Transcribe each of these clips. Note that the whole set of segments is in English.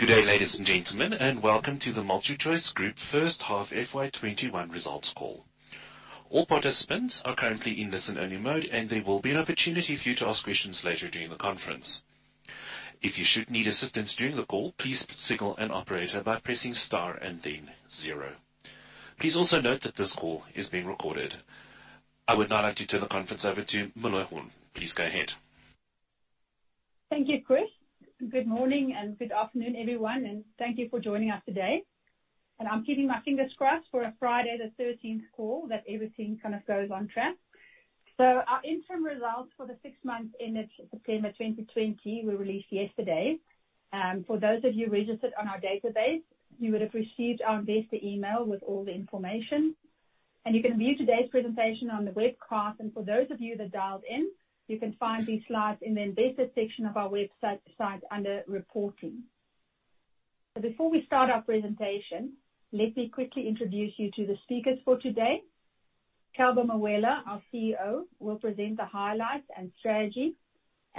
Good day, ladies and gentlemen, and welcome to the MultiChoice Group first half FY 2021 results call. All participants are currently in listen-only mode, and there will be an opportunity for you to ask questions later during the conference. If you should need assistance during the call, please signal an operator by pressing star and then zero. Please also note that this call is being recorded. I would now like to turn the conference over to Meloy Horn. Please go ahead. Thank you, Chris. Good morning and good afternoon, everyone, thank you for joining us today. I'm keeping my fingers crossed for a Friday the 13th call, that everything kind of goes on track. Our interim results for the six months ended September 2020 were released yesterday. For those of you registered on our database, you would have received our investor email with all the information, you can view today's presentation on the webcast, for those of you that dialed in, you can find these slides in the investor section of our website under reporting. Before we start our presentation, let me quickly introduce you to the speakers for today. Calvo Mawela, our CEO, will present the highlights and strategy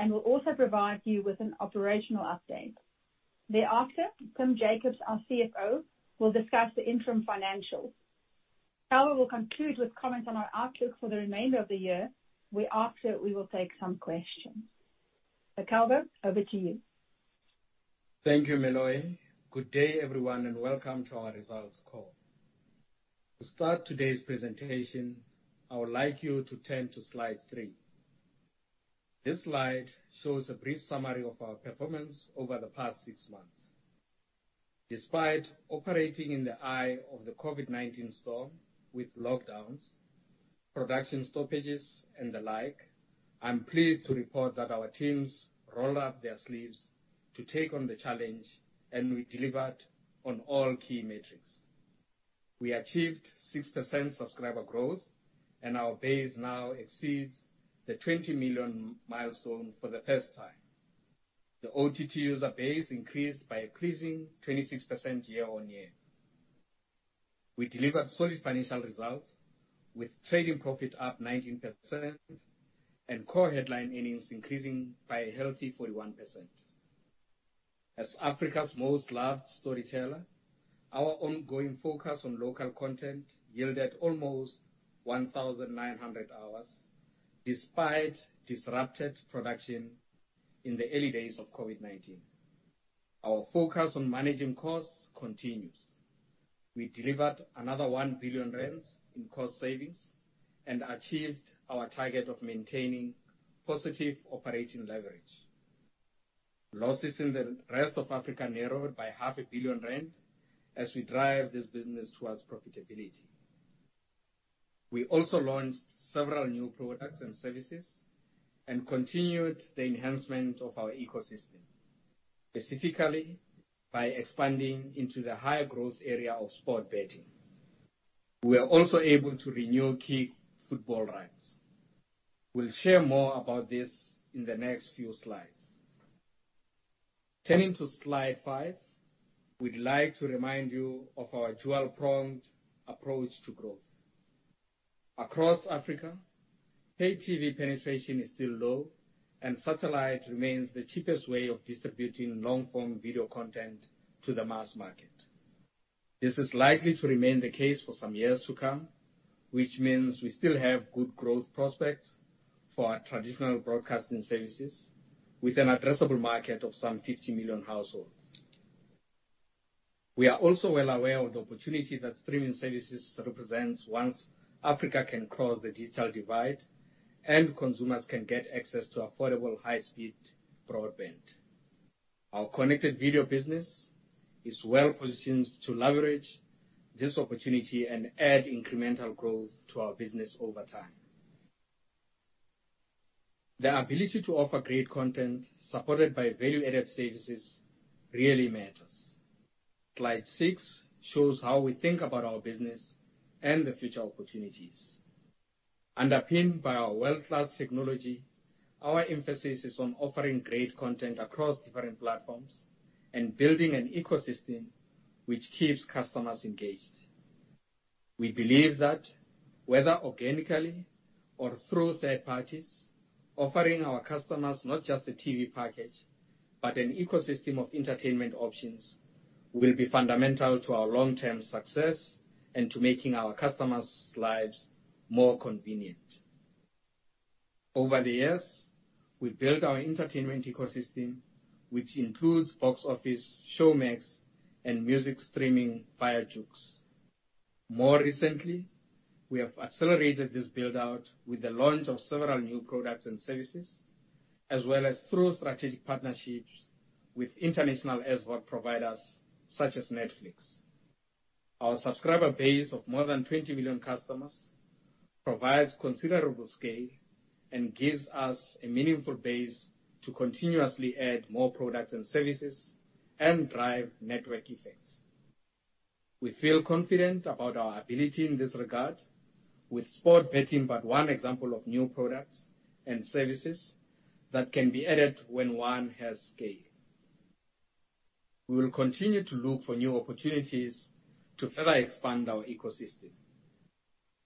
will also provide you with an operational update. Thereafter, Tim Jacobs, our CFO, will discuss the interim financials. Calvo will conclude with comments on our outlook for the remainder of the year. Thereafter, we will take some questions. Calvo, over to you. Thank you, Meloy Horn. Good day, everyone, and welcome to our results call. To start today's presentation, I would like you to turn to slide three. This slide shows a brief summary of our performance over the past six months. Despite operating in the eye of the COVID-19 storm with lockdowns, production stoppages, and the like, I'm pleased to report that our teams rolled up their sleeves to take on the challenge, and we delivered on all key metrics. We achieved 6% subscriber growth. Our base now exceeds the 20 million milestone for the first time. The OTT user base increased by a pleasing 26% year on year. We delivered solid financial results, with trading profit up 19%. Core headline earnings increasing by a healthy 41%. As Africa's most loved storyteller, our ongoing focus on local content yielded almost 1,900 hours despite disrupted production in the early days of COVID-19. Our focus on managing costs continues. We delivered another 1 billion rand in cost savings and achieved our target of maintaining positive operating leverage. Losses in the rest of Africa narrowed by 500 million rand as we drive this business towards profitability. We also launched several new products and services and continued the enhancement of our ecosystem, specifically by expanding into the higher growth area of sport betting. We were also able to renew key football rights. We'll share more about this in the next few slides. Turning to slide five, we'd like to remind you of our dual-pronged approach to growth. Across Africa, pay TV penetration is still low, and satellite remains the cheapest way of distributing long-form video content to the mass market. This is likely to remain the case for some years to come, which means we still have good growth prospects for our traditional broadcasting services with an addressable market of some 50 million households. We are also well aware of the opportunity that streaming services represent once Africa can close the digital divide and consumers can get access to affordable, high-speed broadband. Our connected video business is well-positioned to leverage this opportunity and add incremental growth to our business over time. The ability to offer great content, supported by value-added services, really matters. Slide six shows how we think about our business and the future opportunities. Underpinned by our world-class technology, our emphasis is on offering great content across different platforms and building an ecosystem which keeps customers engaged. We believe that, whether organically or through third parties, offering our customers not just a TV package, but an ecosystem of entertainment options, will be fundamental to our long-term success and to making our customers' lives more convenient. Over the years, we built our entertainment ecosystem, which includes BoxOffice, Showmax, and music streaming via Joox. More recently, we have accelerated this build-out with the launch of several new products and services, as well as through strategic partnerships with international SVOD providers such as Netflix. Our subscriber base of more than 20 million customers provides considerable scale and gives us a meaningful base to continuously add more products and services and drive network effects. We feel confident about our ability in this regard, with sport betting but one example of new products and services that can be added when one has scale. We will continue to look for new opportunities to further expand our ecosystem,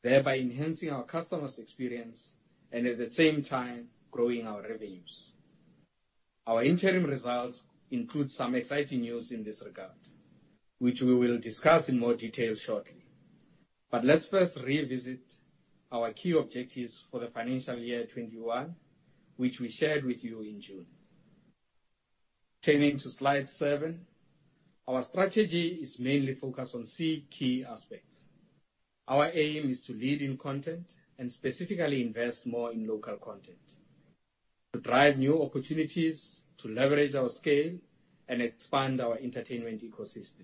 thereby enhancing our customers' experience, and at the same time, growing our revenues. Our interim results include some exciting news in this regard, which we will discuss in more detail shortly. Let's first revisit our key objectives for the financial year 2021, which we shared with you in June. Turning to slide seven, our strategy is mainly focused on three key aspects. Our aim is to lead in content, and specifically invest more in local content. To drive new opportunities, to leverage our scale, and expand our entertainment ecosystem.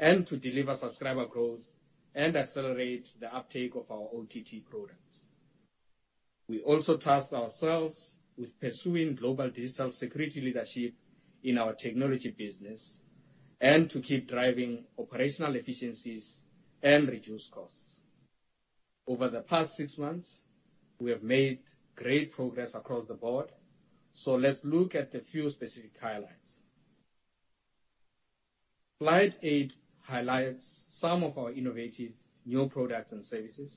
To deliver subscriber growth and accelerate the uptake of our OTT products. We also tasked ourselves with pursuing global digital security leadership in our technology business, and to keep driving operational efficiencies and reduce costs. Over the past six months, we have made great progress across the board. Let's look at a few specific highlights. Slide eight highlights some of our innovative new products and services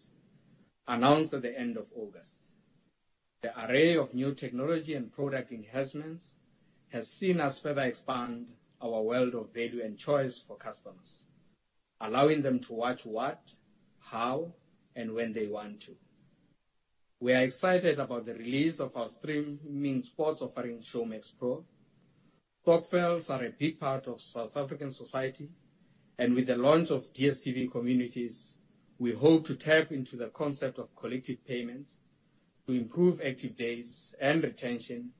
announced at the end of August. The array of new technology and product enhancements has seen us further expand our world of value and choice for customers, allowing them to watch what, how, and when they want to. We are excited about the release of our streaming sports offering, Showmax Pro. Sport fans are a big part of South African society, with the launch of DStv Communities, we hope to tap into the concept of collective payments to improve active days and retention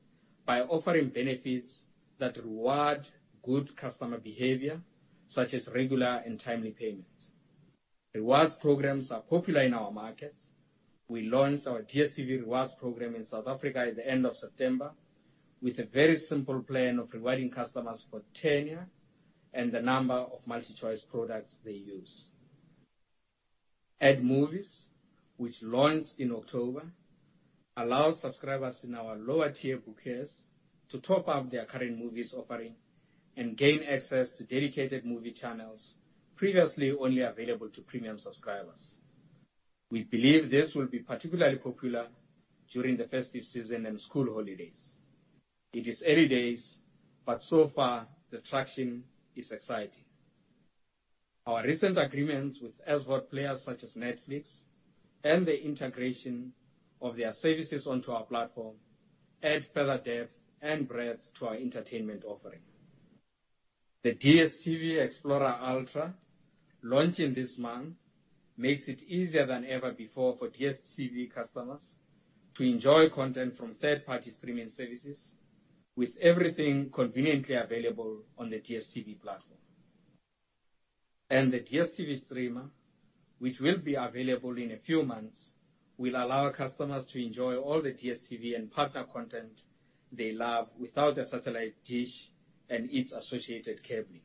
by offering benefits that reward good customer behavior, such as regular and timely payments. Rewards programs are popular in our markets. We launched our DStv Rewards program in South Africa at the end of September with a very simple plan of rewarding customers for tenure and the number of MultiChoice products they use. Add Movies, which launched in October, allows subscribers in our lower tier bouquets to top up their current movies offering and gain access to dedicated movie channels previously only available to premium subscribers. We believe this will be particularly popular during the festive season and school holidays. It is early days, but so far the traction is exciting. Our recent agreements with SVOD players such as Netflix and the integration of their services onto our platform add further depth and breadth to our entertainment offering. The DStv Explora Ultra, launching this month, makes it easier than ever before for DStv customers to enjoy content from third-party streaming services, with everything conveniently available on the DStv platform. The DStv Streama, which will be available in a few months, will allow our customers to enjoy all the DStv and partner content they love without a satellite dish and its associated cabling.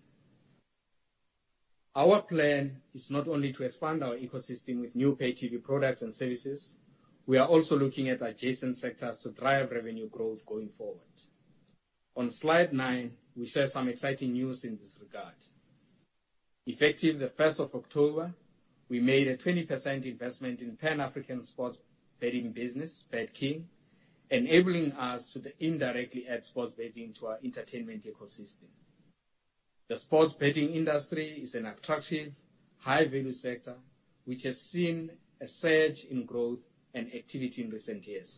Our plan is not only to expand our ecosystem with new pay TV products and services, we are also looking at adjacent sectors to drive revenue growth going forward. On slide nine, we share some exciting news in this regard. Effective the 1st of October, we made a 20% investment in Pan African sports betting business, BetKing, enabling us to indirectly add sports betting to our entertainment ecosystem. The sports betting industry is an attractive, high-value sector which has seen a surge in growth and activity in recent years.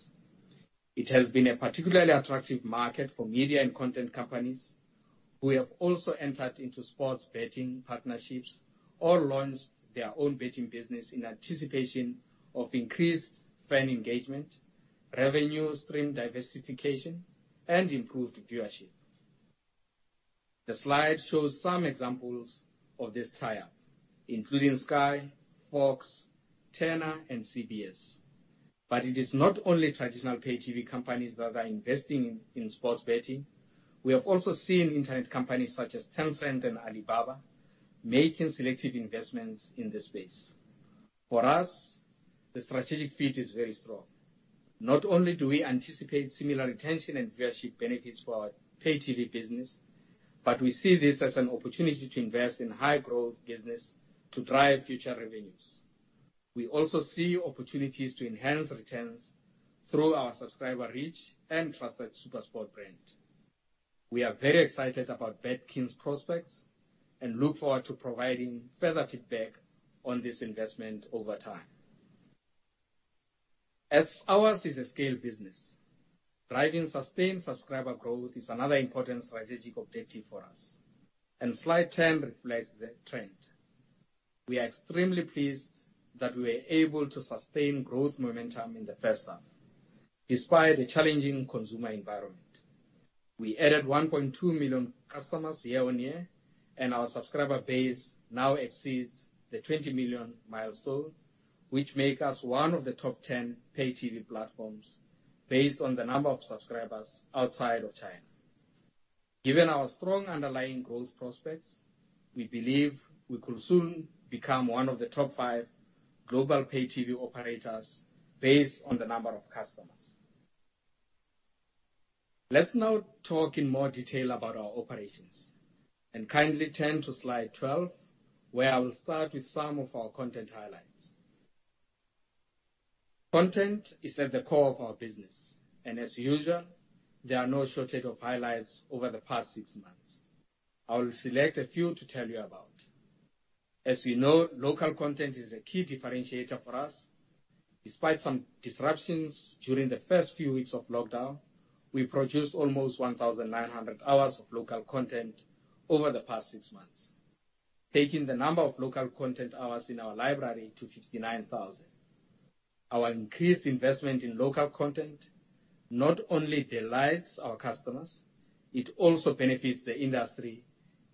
It has been a particularly attractive market for media and content companies, who have also entered into sports betting partnerships or launched their own betting business in anticipation of increased fan engagement, revenue stream diversification, and improved viewership. The slide shows some examples of this tie-up, including Sky, Fox, Turner, and CBS. It is not only traditional pay TV companies that are investing in sports betting. We have also seen internet companies such as Tencent and Alibaba making selective investments in this space. For us, the strategic fit is very strong. Not only do we anticipate similar retention and viewership benefits for our pay TV business, but we see this as an opportunity to invest in high-growth business to drive future revenues. We also see opportunities to enhance returns through our subscriber reach and trusted SuperSport brand. We are very excited about BetKing's prospects and look forward to providing further feedback on this investment over time. As ours is a scale business, driving sustained subscriber growth is another important strategic objective for us, and slide 10 reflects the trend. We are extremely pleased that we were able to sustain growth momentum in the first half, despite a challenging consumer environment. We added 1.2 million customers year on year, and our subscriber base now exceeds the 20 million milestone, which make us one of the top 10 pay TV platforms based on the number of subscribers outside of China. Given our strong underlying growth prospects, we believe we could soon become one of the top five global pay TV operators based on the number of customers. Let's now talk in more detail about our operations, and kindly turn to slide 12, where I will start with some of our content highlights. Content is at the core of our business, and as usual, there are no shortage of highlights over the past six months. I will select a few to tell you about. As we know, local content is a key differentiator for us. Despite some disruptions during the first few weeks of lockdown, we produced almost 1,900 hours of local content over the past six months, taking the number of local content hours in our library to 59,000. Our increased investment in local content not only delights our customers, it also benefits the industry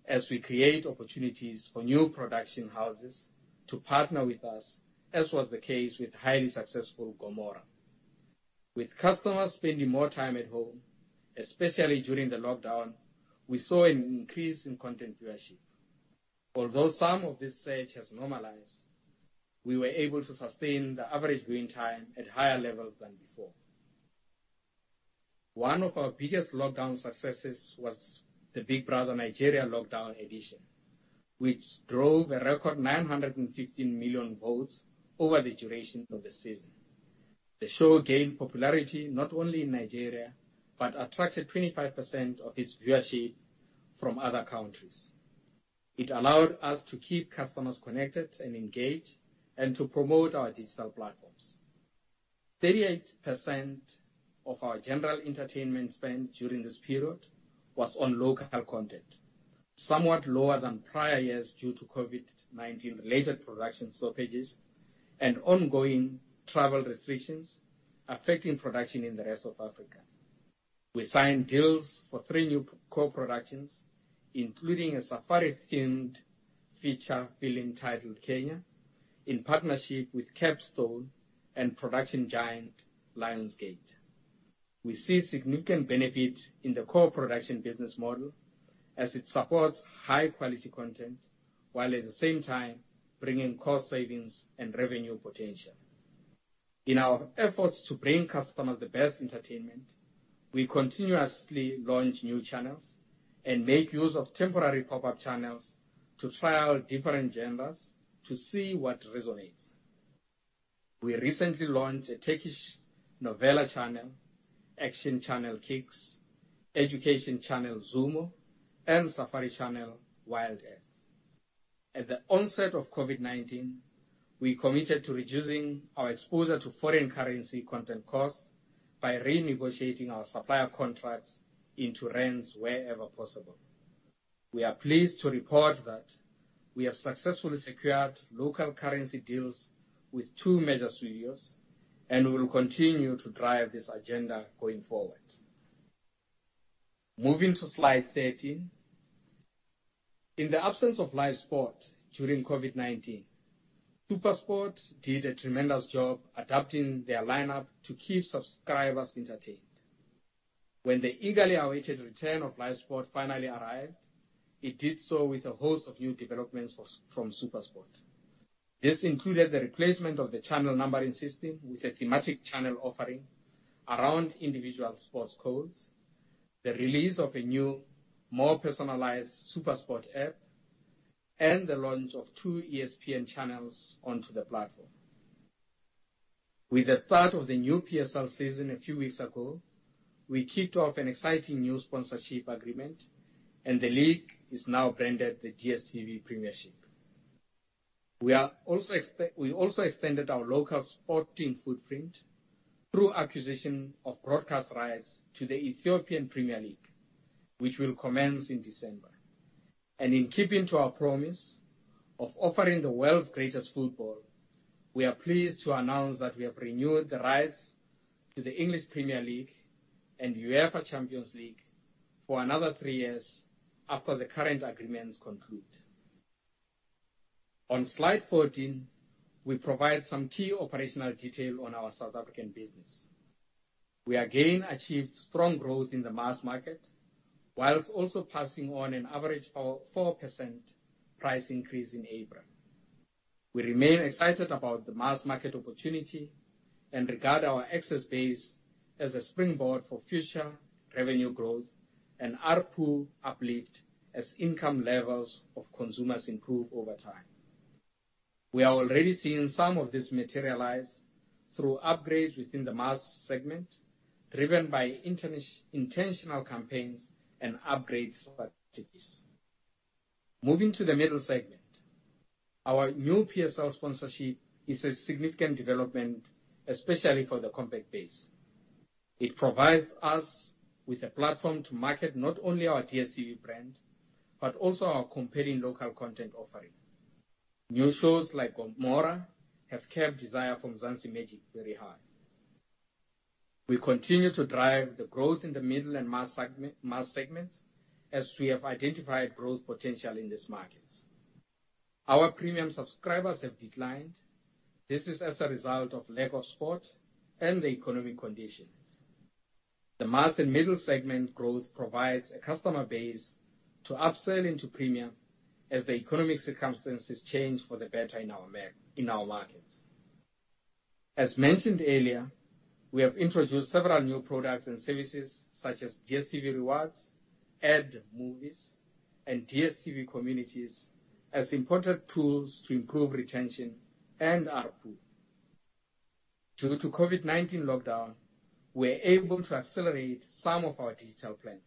as we create opportunities for new production houses to partner with us, as was the case with highly successful "Gomora". With customers spending more time at home, especially during the lockdown, we saw an increase in content viewership. Although some of this surge has normalized, we were able to sustain the average viewing time at higher levels than before. One of our biggest lockdown successes was the "Big Brother Naija" lockdown edition, which drove a record 915 million votes over the duration of the season. The show gained popularity not only in Nigeria, but attracted 25% of its viewership from other countries. It allowed us to keep customers connected and engaged, and to promote our digital platforms. 38% of our general entertainment spend during this period was on local content, somewhat lower than prior years due to COVID-19 related production stoppages and ongoing travel restrictions affecting production in the rest of Africa. We signed deals for three new co-productions, including a safari-themed feature film titled "Kenya," in partnership with Capstone and production giant Lionsgate. We see significant benefit in the co-production business model as it supports high quality content, while at the same time bringing cost savings and revenue potential. In our efforts to bring customers the best entertainment, we continuously launch new channels and make use of temporary pop-up channels to try out different genres to see what resonates. We recently launched a Turkish novela channel, action channel, KIX, education channel, ZooMoo, and safari channel, WildEarth. At the onset of COVID-19, we committed to reducing our exposure to foreign currency content costs by renegotiating our supplier contracts into rands wherever possible. We are pleased to report that we have successfully secured local currency deals with two major studios, and will continue to drive this agenda going forward. Moving to slide 13. In the absence of live sport during COVID-19, SuperSport did a tremendous job adapting their lineup to keep subscribers entertained. When the eagerly awaited return of live sport finally arrived, it did so with a host of new developments from SuperSport. This included the replacement of the channel numbering system with a thematic channel offering around individual sports codes, the release of a new, more personalized SuperSport app, and the launch of two ESPN channels onto the platform. With the start of the new PSL season a few weeks ago, we kicked off an exciting new sponsorship agreement, and the league is now branded the DStv Premiership. We also extended our local sporting footprint through acquisition of broadcast rights to the Ethiopian Premier League, which will commence in December. In keeping to our promise of offering the world's greatest football, we are pleased to announce that we have renewed the rights to the English Premier League and UEFA Champions League for another three years after the current agreements conclude. On slide 14, we provide some key operational detail on our South African business. We again achieved strong growth in the mass market, whilst also passing on an average 4% price increase in April. We remain excited about the mass market opportunity and regard our access base as a springboard for future revenue growth and ARPU uplift as income levels of consumers improve over time. We are already seeing some of this materialize through upgrades within the mass segment, driven by intentional campaigns and upgrade strategies. Moving to the middle segment. Our new PSL sponsorship is a significant development, especially for the compact base. It provides us with a platform to market not only our DStv brand, but also our competing local content offering. New shows like Gomora have kept desire for Mzansi Magic very high. We continue to drive the growth in the middle and mass segments as we have identified growth potential in these markets. Our premium subscribers have declined. This is as a result of lack of sport and the economic conditions. The mass and middle segment growth provides a customer base to upsell into premium as the economic circumstances change for the better in our markets. As mentioned earlier, we have introduced several new products and services such as DStv Rewards, Add Movies, and DStv Communities as important tools to improve retention and ARPU. Due to COVID-19 lockdown, we're able to accelerate some of our digital plans.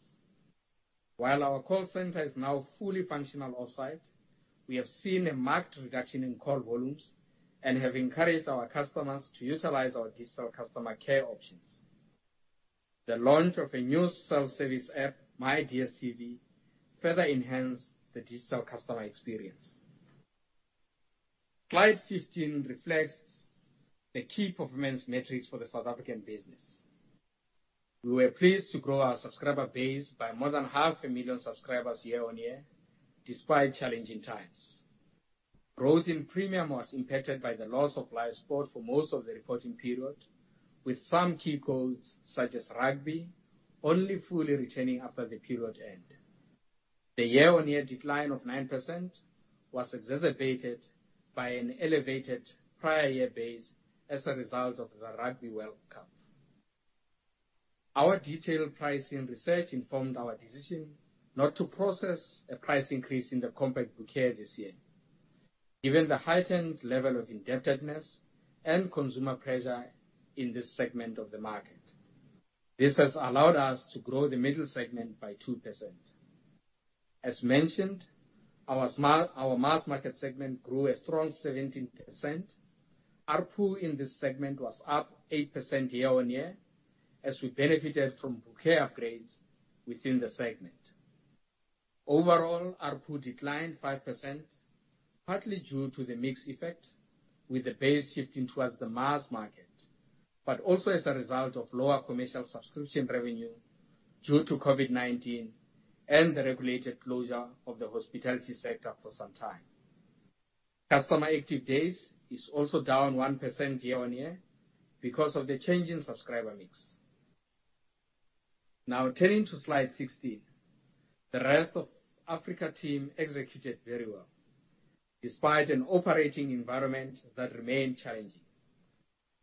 While our call center is now fully functional off-site, we have seen a marked reduction in call volumes and have encouraged our customers to utilize our digital customer care options. The launch of a new self-service app, MyDStv, further enhanced the digital customer experience. Slide 15 reflects the key performance metrics for the South African business. We were pleased to grow our subscriber base by more than half a million subscribers year on year, despite challenging times. Growth in premium was impacted by the loss of live sport for most of the reporting period, with some key codes, such as rugby, only fully returning after the period end. The year-on-year decline of 9% was exacerbated by an elevated prior year base as a result of the Rugby World Cup. Our detailed pricing research informed our decision not to process a price increase in the compact bouquet this year, given the heightened level of indebtedness and consumer pressure in this segment of the market. This has allowed us to grow the middle segment by 2%. As mentioned, our mass market segment grew a strong 17%. ARPU in this segment was up 8% year-on-year as we benefited from bouquet upgrades within the segment. Overall, ARPU declined 5%, partly due to the mix effect, with the base shifting towards the mass market, but also as a result of lower commercial subscription revenue due to COVID-19 and the regulated closure of the hospitality sector for some time. Customer active days is also down 1% year on year because of the change in subscriber mix. Now, turning to slide 16. The Rest of Africa team executed very well, despite an operating environment that remained challenging.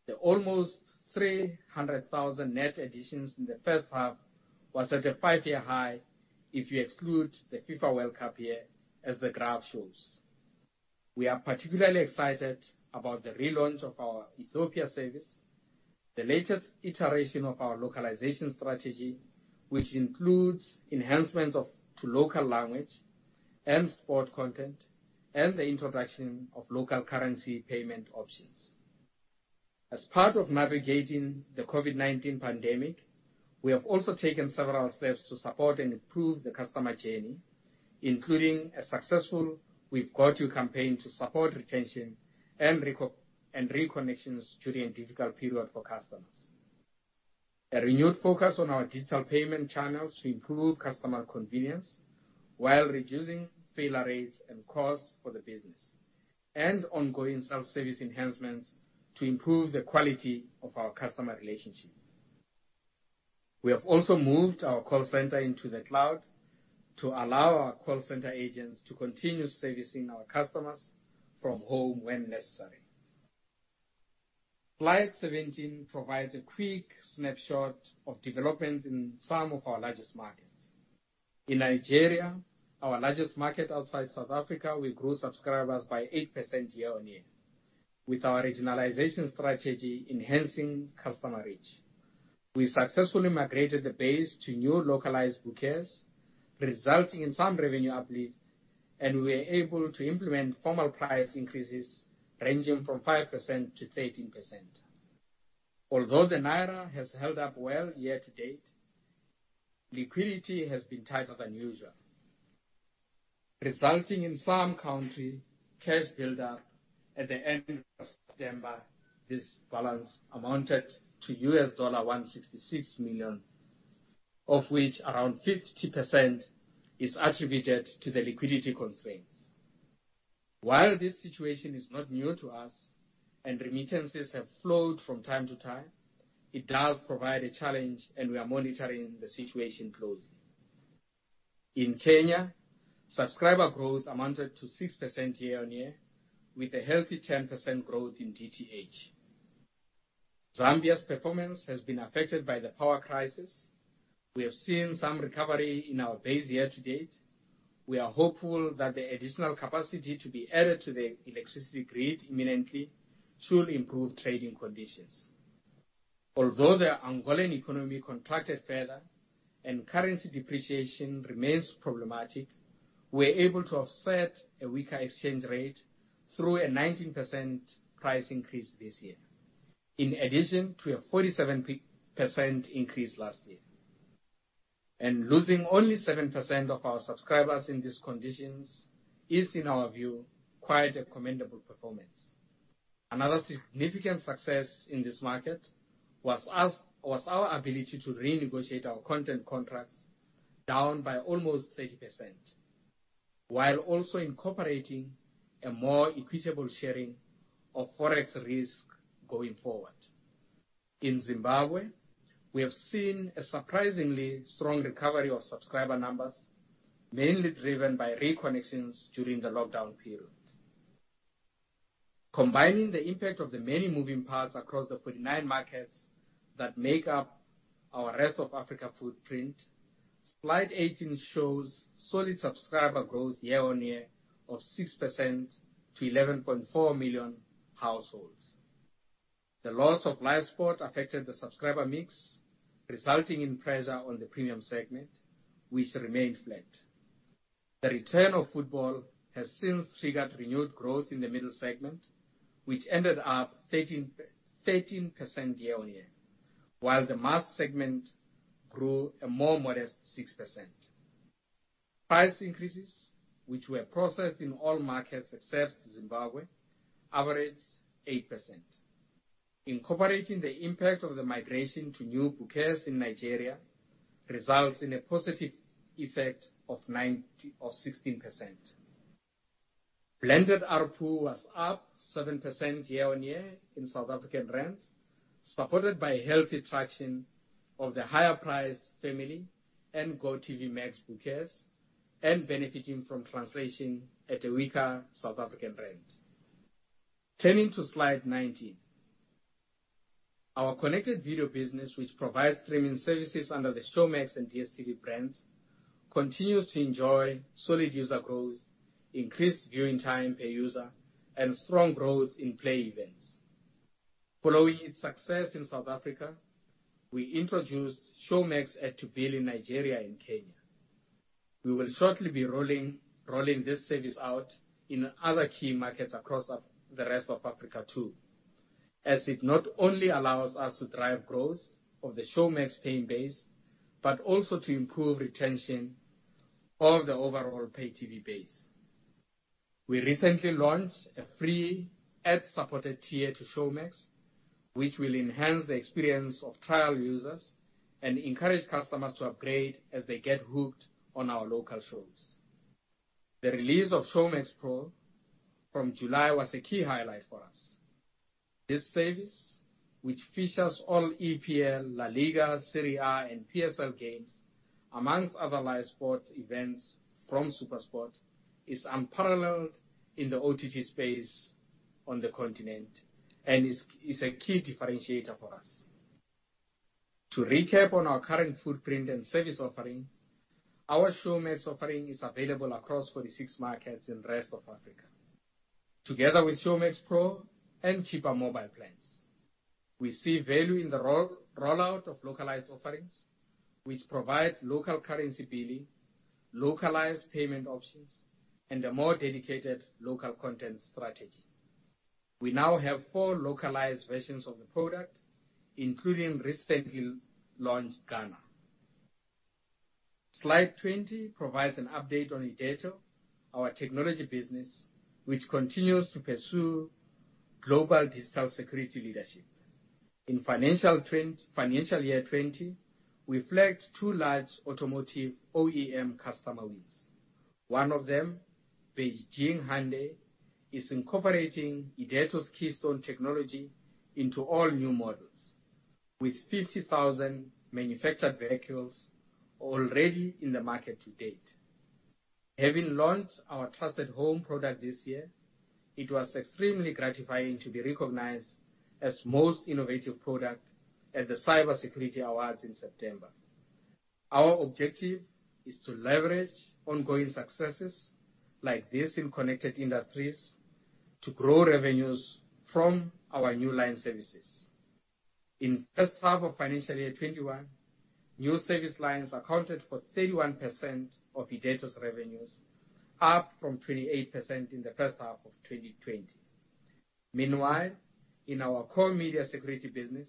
The almost 300,000 net additions in the first half was at a five-year high if you exclude the FIFA World Cup year, as the graph shows. We are particularly excited about the relaunch of our Ethiopia service, the latest iteration of our localization strategy, which includes enhancements to local language and sport content, and the introduction of local currency payment options. As part of navigating the COVID-19 pandemic, we have also taken several steps to support and improve the customer journey, including a successful We've Got You campaign to support retention and reconnections during a difficult period for customers. A renewed focus on our digital payment channels to improve customer convenience while reducing failure rates and costs for the business, and ongoing self-service enhancements to improve the quality of our customer relationship. We have also moved our call center into the cloud to allow our call center agents to continue servicing our customers from home when necessary. Slide 17 provides a quick snapshot of developments in some of our largest markets. In Nigeria, our largest market outside South Africa, we grew subscribers by 8% year-on-year, with our regionalization strategy enhancing customer reach. We successfully migrated the base to new localized bouquets, resulting in some revenue uplift, and we were able to implement formal price increases ranging from 5%-13%. Although the Naira has held up well year to date, liquidity has been tighter than usual, resulting in some country cash buildup. At the end of September, this balance amounted to $166 million, of which around 50% is attributed to the liquidity constraints. While this situation is not new to us, and remittances have flowed from time to time, it does provide a challenge, and we are monitoring the situation closely. In Kenya, subscriber growth amounted to 6% year-on-year, with a healthy 10% growth in DTH. Zambia's performance has been affected by the power crisis. We have seen some recovery in our base year to date. We are hopeful that the additional capacity to be added to the electricity grid imminently should improve trading conditions. Although the Angolan economy contracted further and currency depreciation remains problematic, we're able to offset a weaker exchange rate through a 19% price increase this year, in addition to a 47% increase last year. Losing only 7% of our subscribers in these conditions is, in our view, quite a commendable performance. Another significant success in this market was our ability to renegotiate our content contracts down by almost 30%, while also incorporating a more equitable sharing of Forex risk going forward. In Zimbabwe, we have seen a surprisingly strong recovery of subscriber numbers, mainly driven by reconnections during the lockdown period. Combining the impact of the many moving parts across the 49 markets that make up our rest of Africa footprint, slide 18 shows solid subscriber growth year-on-year of 6% to 11.4 million households. The loss of live sport affected the subscriber mix, resulting in pressure on the premium segment, which remained flat. The return of football has since triggered renewed growth in the middle segment, which ended up 13% year-on-year, while the mass segment grew a more modest 6%. Price increases, which were processed in all markets except Zimbabwe, averaged 8%. Incorporating the impact of the migration to new bouquets in Nigeria results in a positive effect of 16%. Blended ARPU was up 7% year-on-year in ZAR, supported by healthy traction of the higher priced Family and GOtv Max bouquets, and benefiting from translation at a weaker South African rand. Turning to slide 19. Our connected video business, which provides streaming services under the Showmax and DStv brands, continues to enjoy solid user growth, increased viewing time per user, and strong growth in pay events. Following its success in South Africa, we introduced Showmax Add to Bill in Nigeria and Kenya. We will shortly be rolling this service out in other key markets across the rest of Africa too, as it not only allows us to drive growth of the Showmax paying base, but also to improve retention of the overall pay TV base. We recently launched a free ad-supported tier to Showmax, which will enhance the experience of trial users and encourage customers to upgrade as they get hooked on our local shows. The release of Showmax Pro from July was a key highlight for us. This service, which features all EPL, La Liga, Serie A, and PSL games amongst other live sport events from SuperSport, is unparalleled in the OTT space on the continent and is a key differentiator for us. To recap on our current footprint and service offering, our Showmax offering is available across 46 markets in rest of Africa. Together with Showmax Pro and cheaper mobile plans, we see value in the rollout of localized offerings, which provide local currency billing, localized payment options, and a more dedicated local content strategy. We now have four localized versions of the product, including recently launched Ghana. Slide 20 provides an update on Irdeto, our technology business, which continues to pursue global digital security leadership. In financial year 2020, we flagged two large automotive OEM customer wins. One of them, Beijing Hyundai, is incorporating Irdeto's Keystone technology into all new models, with 50,000 manufactured vehicles already in the market to date. Having launched our Trusted Home product this year, it was extremely gratifying to be recognized as most innovative product at the Cybersecurity Awards in September. Our objective is to leverage ongoing successes like this in connected industries to grow revenues from our new line services. In the first half of financial year 2021, new service lines accounted for 31% of Irdeto's revenues, up from 28% in the first half of 2020. Meanwhile, in our core media security business,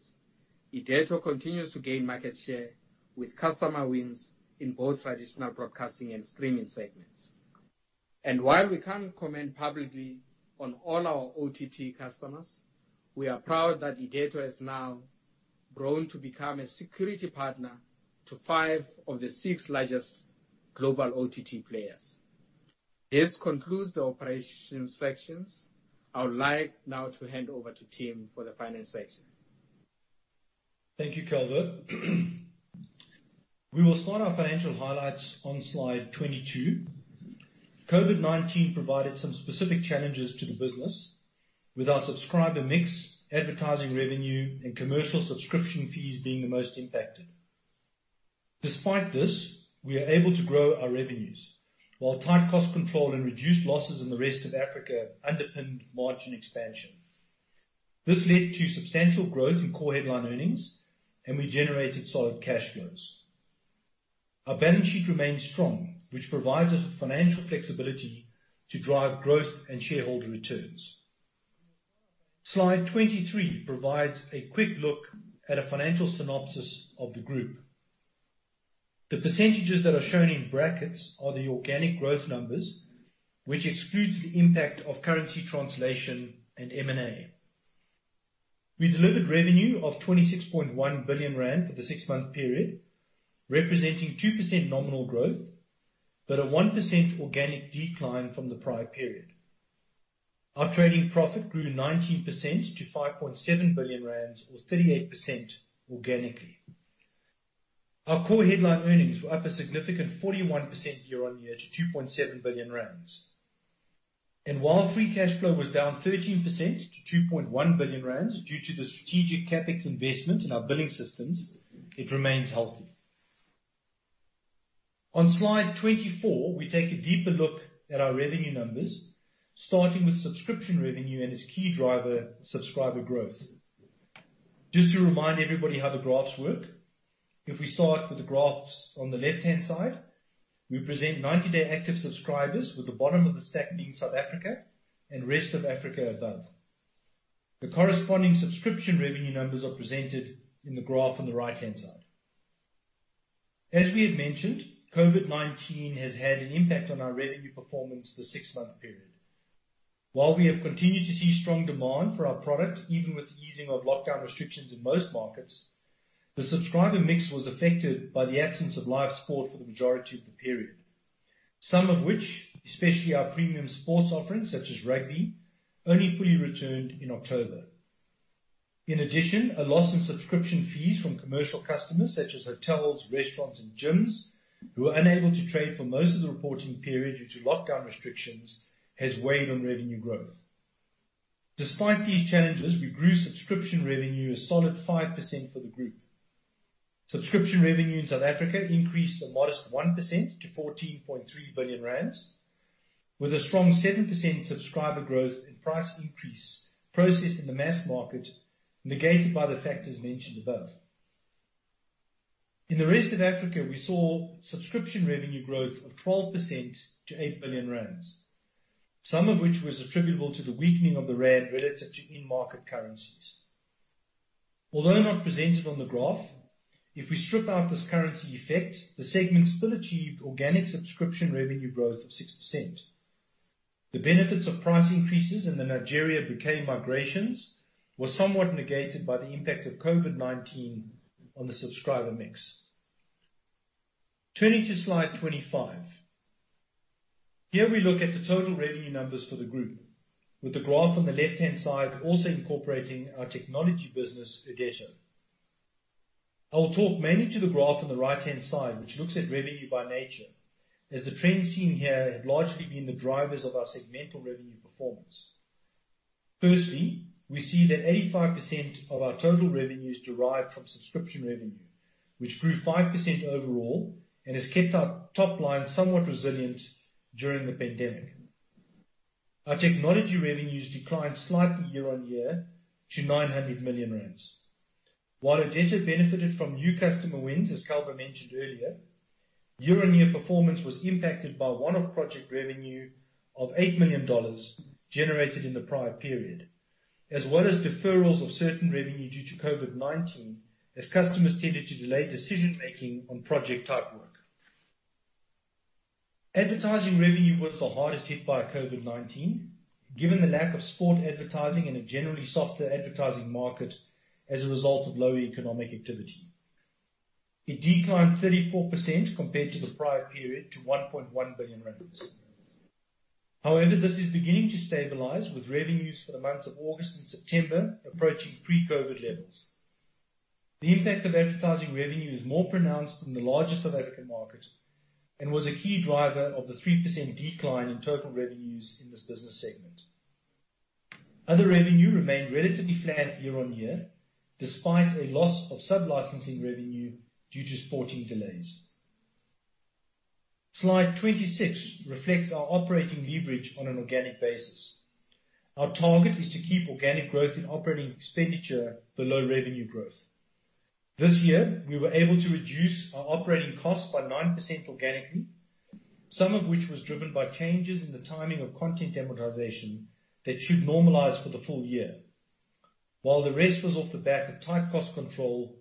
Irdeto continues to gain market share with customer wins in both traditional broadcasting and streaming segments. While we can't comment publicly on all our OTT customers, we are proud that Irdeto has now grown to become a security partner to five of the six largest global OTT players. This concludes the operations sections. I would like now to hand over to Tim for the finance section. Thank you, Calvo. We will start our financial highlights on slide 22. COVID-19 provided some specific challenges to the business with our subscriber mix, advertising revenue, and commercial subscription fees being the most impacted. Despite this, we are able to grow our revenues, while tight cost control and reduced losses in the rest of Africa underpinned margin expansion. This led to substantial growth in core headline earnings. We generated solid cash flows. Our balance sheet remains strong, which provides us with financial flexibility to drive growth and shareholder returns. Slide 23 provides a quick look at a financial synopsis of the group. The percentages that are shown in brackets are the organic growth numbers, which excludes the impact of currency translation and M&A. We delivered revenue of 26.1 billion rand for the six-month period, representing 2% nominal growth, but a 1% organic decline from the prior period. Our trading profit grew 19% to 5.7 billion rand or 38% organically. Our core headline earnings were up a significant 41% year-on-year to 2.7 billion rand. While free cash flow was down 13% to 2.1 billion rand due to the strategic CapEx investment in our billing systems, it remains healthy. On slide 24, we take a deeper look at our revenue numbers, starting with subscription revenue and its key driver, subscriber growth. Just to remind everybody how the graphs work, if we start with the graphs on the left-hand side, we present 90-day active subscribers, with the bottom of the stack being South Africa and rest of Africa above. The corresponding subscription revenue numbers are presented in the graph on the right-hand side. As we have mentioned, COVID-19 has had an impact on our revenue performance the six-month period. While we have continued to see strong demand for our product, even with the easing of lockdown restrictions in most markets, the subscriber mix was affected by the absence of live sport for the majority of the period, some of which, especially our premium sports offerings such as rugby, only fully returned in October. In addition, a loss in subscription fees from commercial customers such as hotels, restaurants and gyms, who were unable to trade for most of the reporting period due to lockdown restrictions, has weighed on revenue growth. Despite these challenges, we grew subscription revenue a solid 5% for the group. Subscription revenue in South Africa increased a modest 1% to 14.3 billion rand, with a strong 7% subscriber growth and price increase processed in the mass market negated by the factors mentioned above. In the rest of Africa, we saw subscription revenue growth of 12% to 8 billion rand. Some of which was attributable to the weakening of the rand relative to in-market currencies. Although not presented on the graph, if we strip out this currency effect, the segment still achieved organic subscription revenue growth of 6%. The benefits of price increases in the Nigeria bouquet migrations were somewhat negated by the impact of COVID-19 on the subscriber mix. Turning to slide 25. Here we look at the total revenue numbers for the group, with the graph on the left-hand side also incorporating our technology business, Irdeto. I will talk mainly to the graph on the right-hand side, which looks at revenue by nature, as the trends seen here have largely been the drivers of our segmental revenue performance. Firstly, we see that 85% of our total revenues derive from subscription revenue, which grew 5% overall and has kept our top line somewhat resilient during the pandemic. Our technology revenues declined slightly year-on-year to 900 million rand. While Irdeto benefited from new customer wins, as Calvo mentioned earlier, year-on-year performance was impacted by one-off project revenue of $8 million generated in the prior period, as well as deferrals of certain revenue due to COVID-19, as customers tended to delay decision-making on project type work. Advertising revenue was the hardest hit by COVID-19, given the lack of sport advertising and a generally softer advertising market as a result of lower economic activity. It declined 34% compared to the prior period to 1.1 billion rand. However, this is beginning to stabilize with revenues for the months of August and September approaching pre-COVID-19 levels. The impact of advertising revenue is more pronounced in the larger South African market and was a key driver of the 3% decline in total revenues in this business segment. Other revenue remained relatively flat year-on-year, despite a loss of sublicensing revenue due to sporting delays. Slide 26 reflects our operating leverage on an organic basis. Our target is to keep organic growth in operating expenditure below revenue growth. This year, we were able to reduce our operating costs by 9% organically, some of which was driven by changes in the timing of content amortization that should normalize for the full year, while the rest was off the back of tight cost control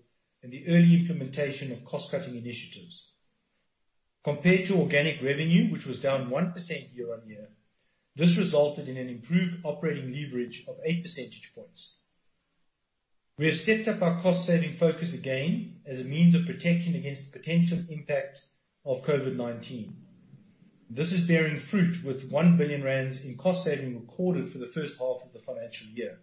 and the early implementation of cost-cutting initiatives. Compared to organic revenue, which was down 1% year-on-year, this resulted in an improved operating leverage of 8 percentage points. We have stepped up our cost-saving focus again as a means of protection against the potential impact of COVID-19. This is bearing fruit with 1 billion rand in cost saving recorded for the first half of the financial year.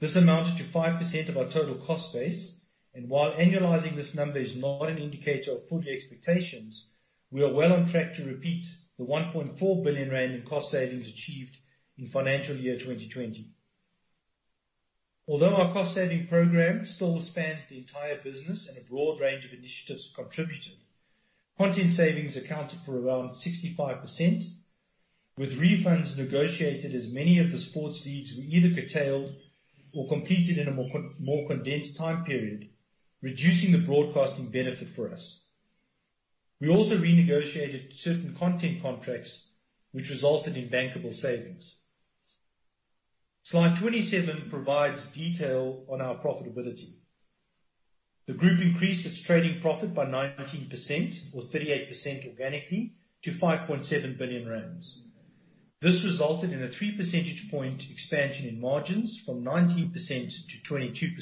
This amounted to 5% of our total cost base, and while annualizing this number is not an indicator of full year expectations, we are well on track to repeat the 1.4 billion rand in cost savings achieved in financial year 2020. Although our cost-saving program still spans the entire business and a broad range of initiatives contributed, content savings accounted for around 65%, with refunds negotiated as many of the sports leagues were either curtailed or completed in a more condensed time period, reducing the broadcasting benefit for us. We also renegotiated certain content contracts, which resulted in bankable savings. Slide 27 provides detail on our profitability. The group increased its trading profit by 19%, or 38% organically, to 5.7 billion rand. This resulted in a three percentage point expansion in margins from 19% to 22%.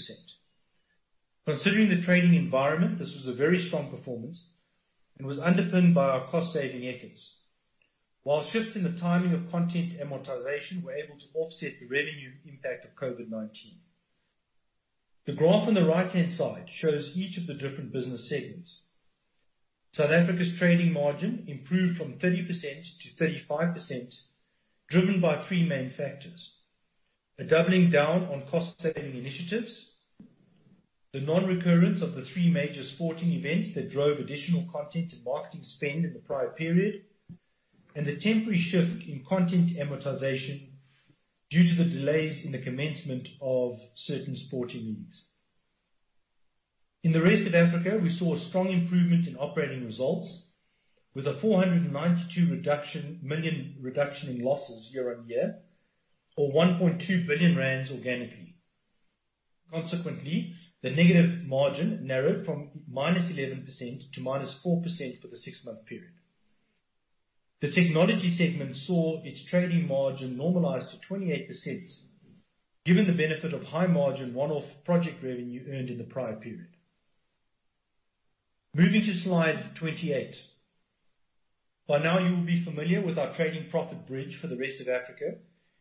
Considering the trading environment, this was a very strong performance and was underpinned by our cost-saving efforts. Shifts in the timing of content amortization were able to offset the revenue impact of COVID-19. The graph on the right-hand side shows each of the different business segments. South Africa's trading margin improved from 30% to 35%, driven by three main factors. Doubling down on cost-saving initiatives, the non-recurrence of the three major sporting events that drove additional content and marketing spend in the prior period, and the temporary shift in content amortization due to the delays in the commencement of certain sporting leagues. In the rest of Africa, we saw a strong improvement in operating results with a 492 million reduction in losses year-on-year or 1.2 billion rand organically. Consequently, the negative margin narrowed from -11% to -4% for the six-month period. The technology segment saw its trading margin normalize to 28%, given the benefit of high margin one-off project revenue earned in the prior period. Moving to slide 28. By now you will be familiar with our trading profit bridge for the rest of Africa,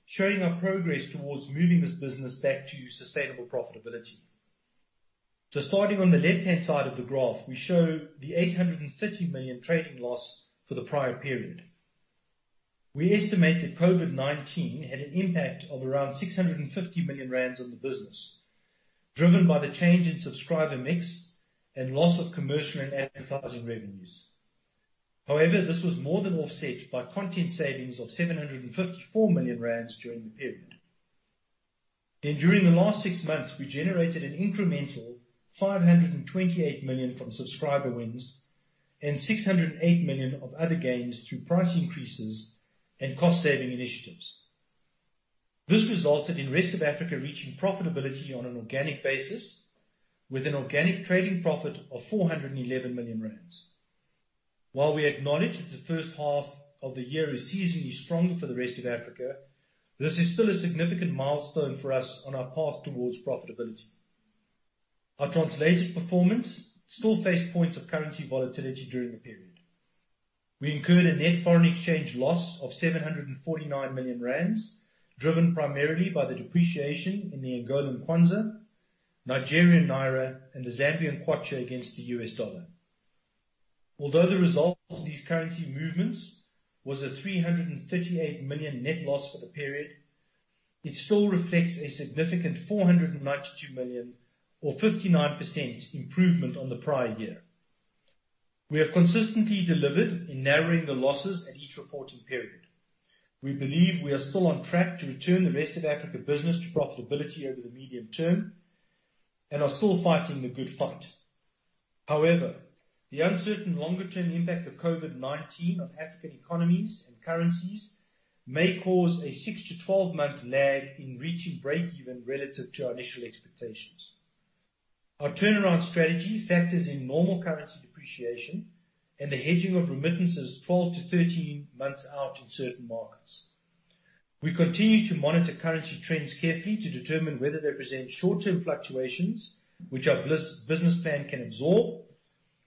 showing our progress towards moving this business back to sustainable profitability. Starting on the left-hand side of the graph, we show the 830 million trading loss for the prior period. We estimate that COVID-19 had an impact of around 650 million rand on the business, driven by the change in subscriber mix and loss of commercial and advertising revenues. However, this was more than offset by content savings of 754 million rand during the period. During the last six months, we generated an incremental 528 million from subscriber wins and 608 million of other gains through price increases and cost-saving initiatives. This resulted in Rest of Africa reaching profitability on an organic basis with an organic trading profit of 411 million rand. While we acknowledge that the first half of the year is seasonally stronger for the Rest of Africa, this is still a significant milestone for us on our path towards profitability. Our translated performance still faced points of currency volatility during the period. We incurred a net foreign exchange loss of 749 million rand, driven primarily by the depreciation in the Angolan kwanza, Nigerian naira, and the Zambian kwacha against the USD. Although the result of these currency movements was a 338 million net loss for the period, it still reflects a significant 492 million or 59% improvement on the prior year. We have consistently delivered in narrowing the losses at each reporting period. We believe we are still on track to return the rest of Africa business to profitability over the medium term and are still fighting the good fight. However, the uncertain longer-term impact of COVID-19 on African economies and currencies may cause a 6-12-month lag in reaching break-even relative to our initial expectations. Our turnaround strategy factors in normal currency depreciation and the hedging of remittances 12-13 months out in certain markets. We continue to monitor currency trends carefully to determine whether they present short-term fluctuations, which our business plan can absorb,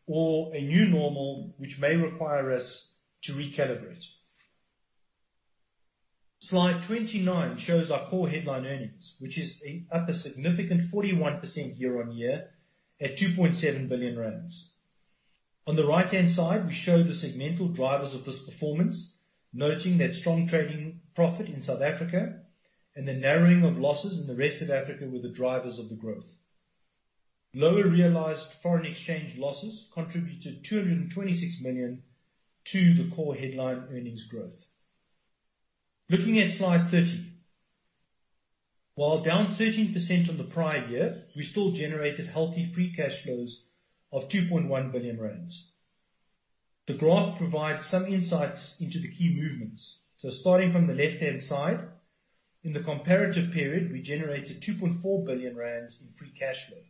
or a new normal, which may require us to recalibrate. Slide 29 shows our core headline earnings, which is up a significant 41% year-on-year at 2.7 billion rand. On the right-hand side, we show the segmental drivers of this performance, noting that strong trading profit in South Africa and the narrowing of losses in the rest of Africa were the drivers of the growth. Lower realized foreign exchange losses contributed 226 million to the core headline earnings growth. Looking at slide 30. While down 13% on the prior year, we still generated healthy free cash flows of 2.1 billion rand. The graph provides some insights into the key movements. Starting from the left-hand side, in the comparative period, we generated 2.4 billion rand in free cash flow.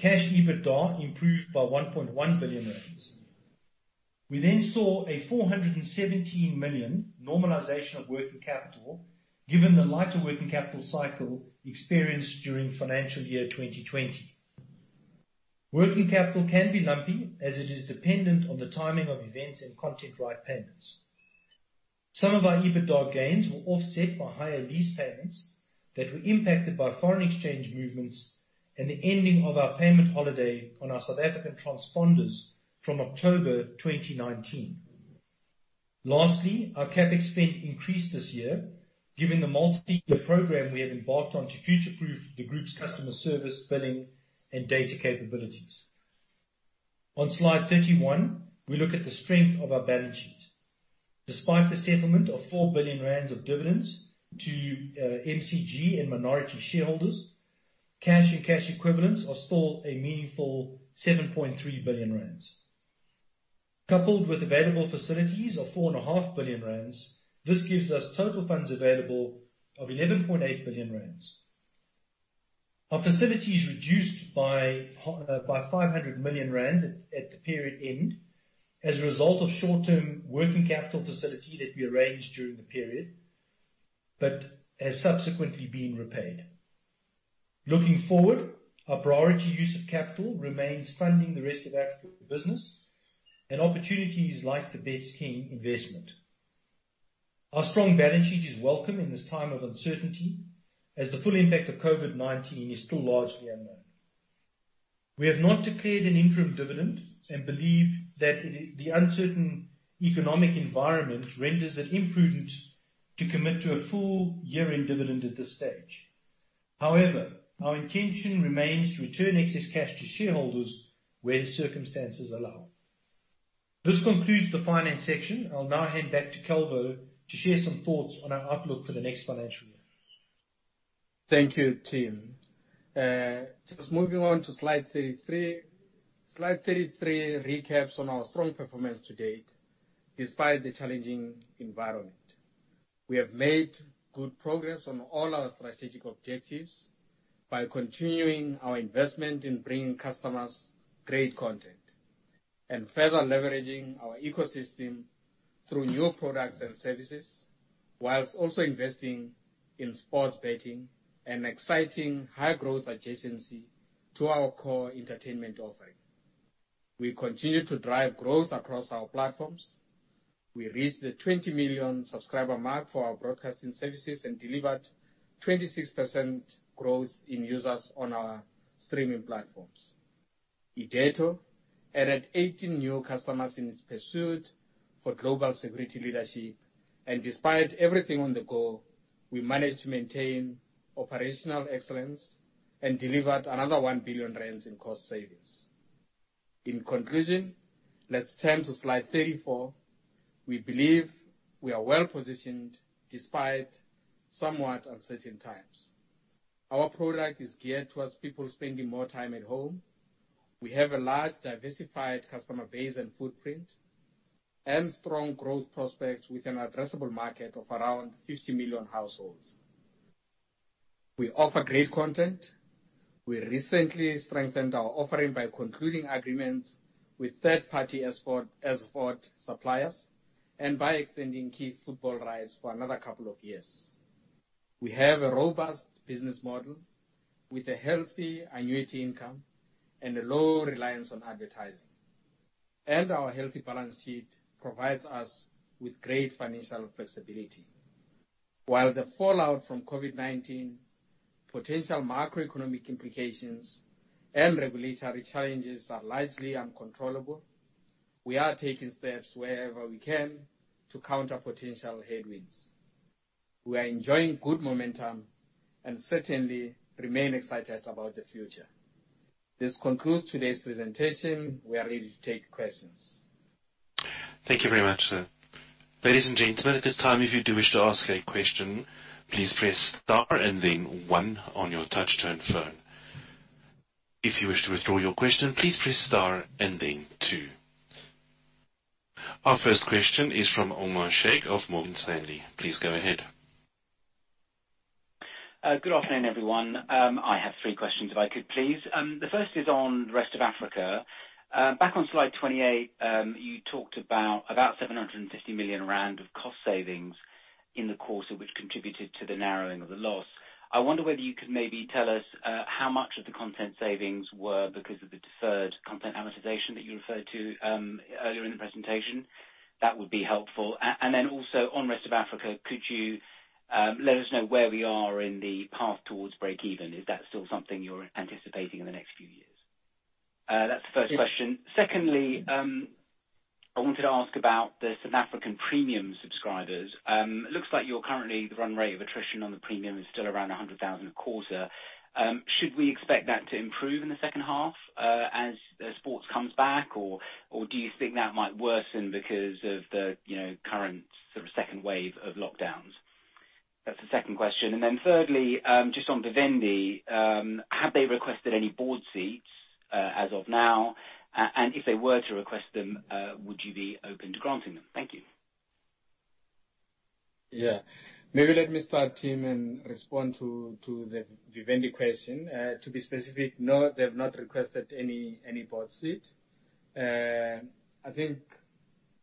Cash EBITDA improved by 1.1 billion rand. We saw a 417 million normalization of working capital given the lighter working capital cycle experienced during financial year 2020. Working capital can be lumpy as it is dependent on the timing of events and content right payments. Some of our EBITDA gains were offset by higher lease payments that were impacted by foreign exchange movements and the ending of our payment holiday on our South African transponders from October 2019. Our CapEx spend increased this year given the multiyear program we have embarked on to future-proof the group's customer service, billing, and data capabilities. On slide 31, we look at the strength of our balance sheet. Despite the settlement of 4 billion rand of dividends to MCG and minority shareholders, cash and cash equivalents are still a meaningful 7.3 billion rand. Coupled with available facilities of 4.5 billion rand, this gives us total funds available of 11.8 billion rand. Our facilities reduced by 500 million rand at the period end as a result of short-term working capital facility that we arranged during the period, but has subsequently been repaid. Looking forward, our priority use of capital remains funding the rest of Africa business and opportunities like the BetKing investment. Our strong balance sheet is welcome in this time of uncertainty, as the full impact of COVID-19 is still largely unknown. We have not declared an interim dividend, and believe that the uncertain economic environment renders it imprudent to commit to a full year-end dividend at this stage. However, our intention remains to return excess cash to shareholders where circumstances allow. This concludes the finance section. I will now hand back to Calvo to share some thoughts on our outlook for the next financial year. Thank you, Tim. Just moving on to slide 33. Slide 33 recaps on our strong performance to date despite the challenging environment. We have made good progress on all our strategic objectives by continuing our investment in bringing customers great content and further leveraging our ecosystem through new products and services, whilst also investing in sports betting, an exciting high-growth adjacency to our core entertainment offering. We continue to drive growth across our platforms. We reached the 20 million subscriber mark for our broadcasting services and delivered 26% growth in users on our streaming platforms. Irdeto added 18 new customers in its pursuit for global security leadership, and despite everything on the go, we managed to maintain operational excellence and delivered another 1 billion rand in cost savings. In conclusion, let's turn to slide 34. We believe we are well-positioned despite somewhat uncertain times. Our product is geared towards people spending more time at home. We have a large, diversified customer base and footprint and strong growth prospects with an addressable market of around 50 million households. We offer great content. We recently strengthened our offering by concluding agreements with third-party SVOD suppliers and by extending key football rights for another couple of years. We have a robust business model with a healthy annuity income and a low reliance on advertising. Our healthy balance sheet provides us with great financial flexibility. While the fallout from COVID-19, potential macroeconomic implications, and regulatory challenges are largely uncontrollable, we are taking steps wherever we can to counter potential headwinds. We are enjoying good momentum and certainly remain excited about the future. This concludes today's presentation. We are ready to take questions. Thank you very much. Ladies and gentlemen, at this time, if you do wish to ask a question, please press star and then one on your touch-tone phone. If you wish to withdraw your question, please press star and then two. Our first question is from Omar Sheikh of Morgan Stanley. Please go ahead. Good afternoon, everyone. I have three questions if I could, please. The first is on the Rest of Africa. Back on slide 28, you talked about 750 million rand of cost savings in the course of which contributed to the narrowing of the loss. I wonder whether you could maybe tell us how much of the content savings were because of the deferred content amortization that you referred to earlier in the presentation. That would be helpful. Also on rest of Africa, could you let us know where we are in the path towards break even? Is that still something you're anticipating in the next few years? That's the first question. Yes. Secondly, I wanted to ask about the South African premium subscribers. It looks like currently the run rate of attrition on the premium is still around 100,000 a quarter. Should we expect that to improve in the second half, as sports comes back or do you think that might worsen because of the current second wave of lockdowns? That's the second question. Thirdly, just on Vivendi, have they requested any board seats, as of now? If they were to request them, would you be open to granting them? Thank you. Yeah. Maybe let me start, Tim, and respond to the Vivendi question. To be specific, no, they have not requested any board seat. I think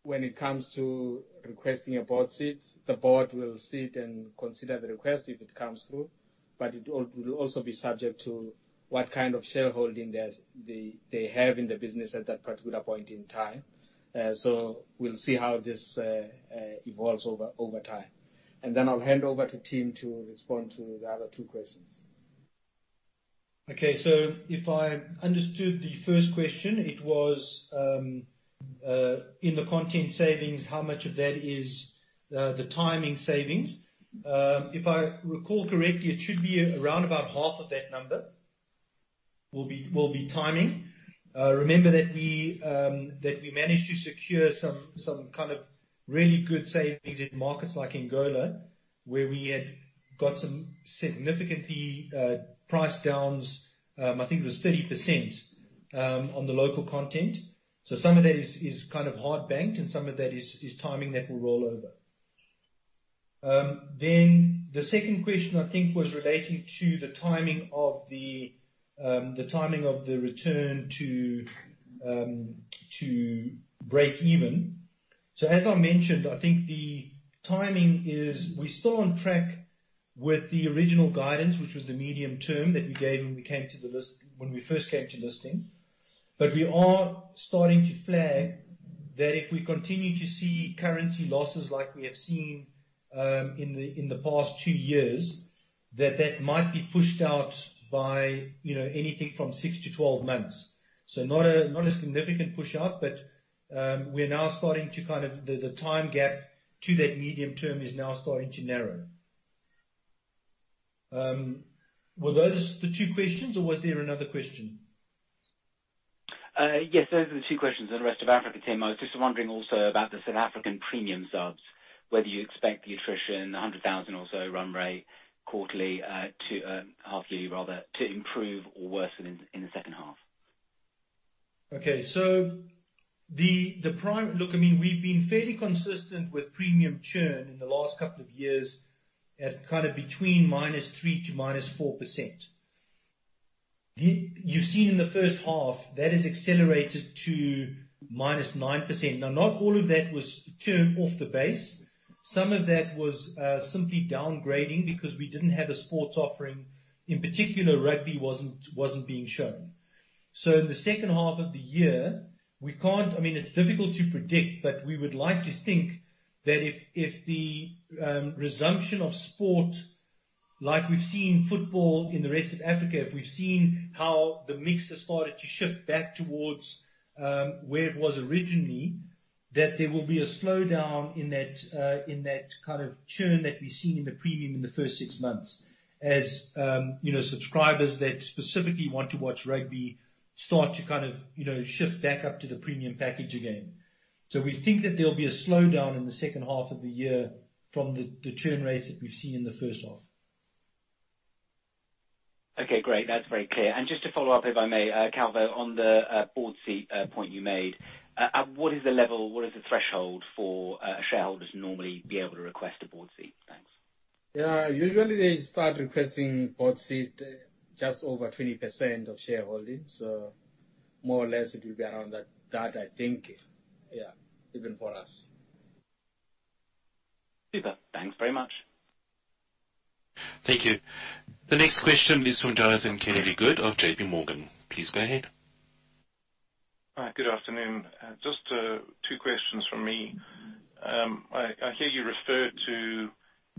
when it comes to requesting a board seat, the board will sit and consider the request if it comes through, but it will also be subject to what kind of shareholding they have in the business at that particular point in time. We'll see how this evolves over time. I'll hand over to Tim to respond to the other two questions. If I understood the first question, it was in the content savings, how much of that is the timing savings? If I recall correctly, it should be around about half of that number will be timing. Remember that we managed to secure some kind of really good savings in markets like Angola, where we had got some significantly price downs. I think it was 30% on the local content. Some of that is hard banked, and some of that is timing that will roll over. The second question, I think, was relating to the timing of the return to break even. As I mentioned, I think the timing is, we're still on track with the original guidance, which was the medium-term that we gave when we first came to listing. We are starting to flag that if we continue to see currency losses like we have seen in the past two years, that might be pushed out by anything from 6-12 months. Not a significant push out, but the time gap to that medium term is now starting to narrow. Were those the two questions, or was there another question? Yes, those were the two questions on the Rest of Africa team. I was just wondering also about the South African premium subs, whether you expect the attrition, 100,000 or so run rate quarterly, half yearly rather, to improve or worsen in the second half. We've been fairly consistent with premium churn in the last couple of years at between -3% to -4%. You've seen in the first half, that has accelerated to -9%. Not all of that was churn off the base. Some of that was simply downgrading because we didn't have a sports offering. In particular, rugby wasn't being shown. In the second half of the year, it's difficult to predict, but we would like to think that if the resumption of sport like we've seen football in the Rest of Africa, we've seen how the mix has started to shift back towards where it was originally, that there will be a slowdown in that kind of churn that we're seeing in the premium in the first six months as subscribers that specifically want to watch rugby start to shift back up to the premium package again. We think that there'll be a slowdown in the second half of the year from the churn rates that we've seen in the first half. Okay, great. That's very clear. Just to follow up, if I may, Calvo, on the board seat point you made, what is the level, what is the threshold for shareholders to normally be able to request a board seat? Thanks. Yeah. Usually they start requesting board seat just over 20% of shareholding. More or less it will be around that, I think. Yeah. Even for us. Super. Thanks very much. Thank you. The next question is from Jonathan Kennedy-Good of JPMorgan. Please go ahead. Good afternoon. Just two questions from me. I hear you refer to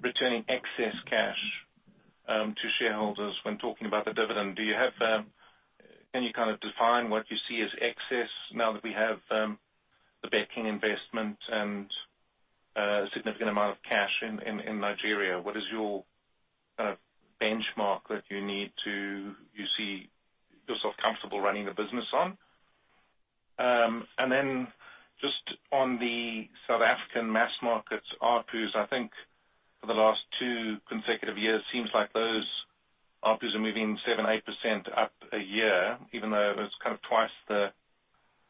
returning excess cash to shareholders when talking about the dividend. Can you define what you see as excess now that we have the backing investment and a significant amount of cash in Nigeria? What is your benchmark that you see yourself comfortable running the business on? Just on the South African mass markets ARPU, I think for the last two consecutive years, seems like those ARPUs are moving 7%-8% up a year, even though it was twice the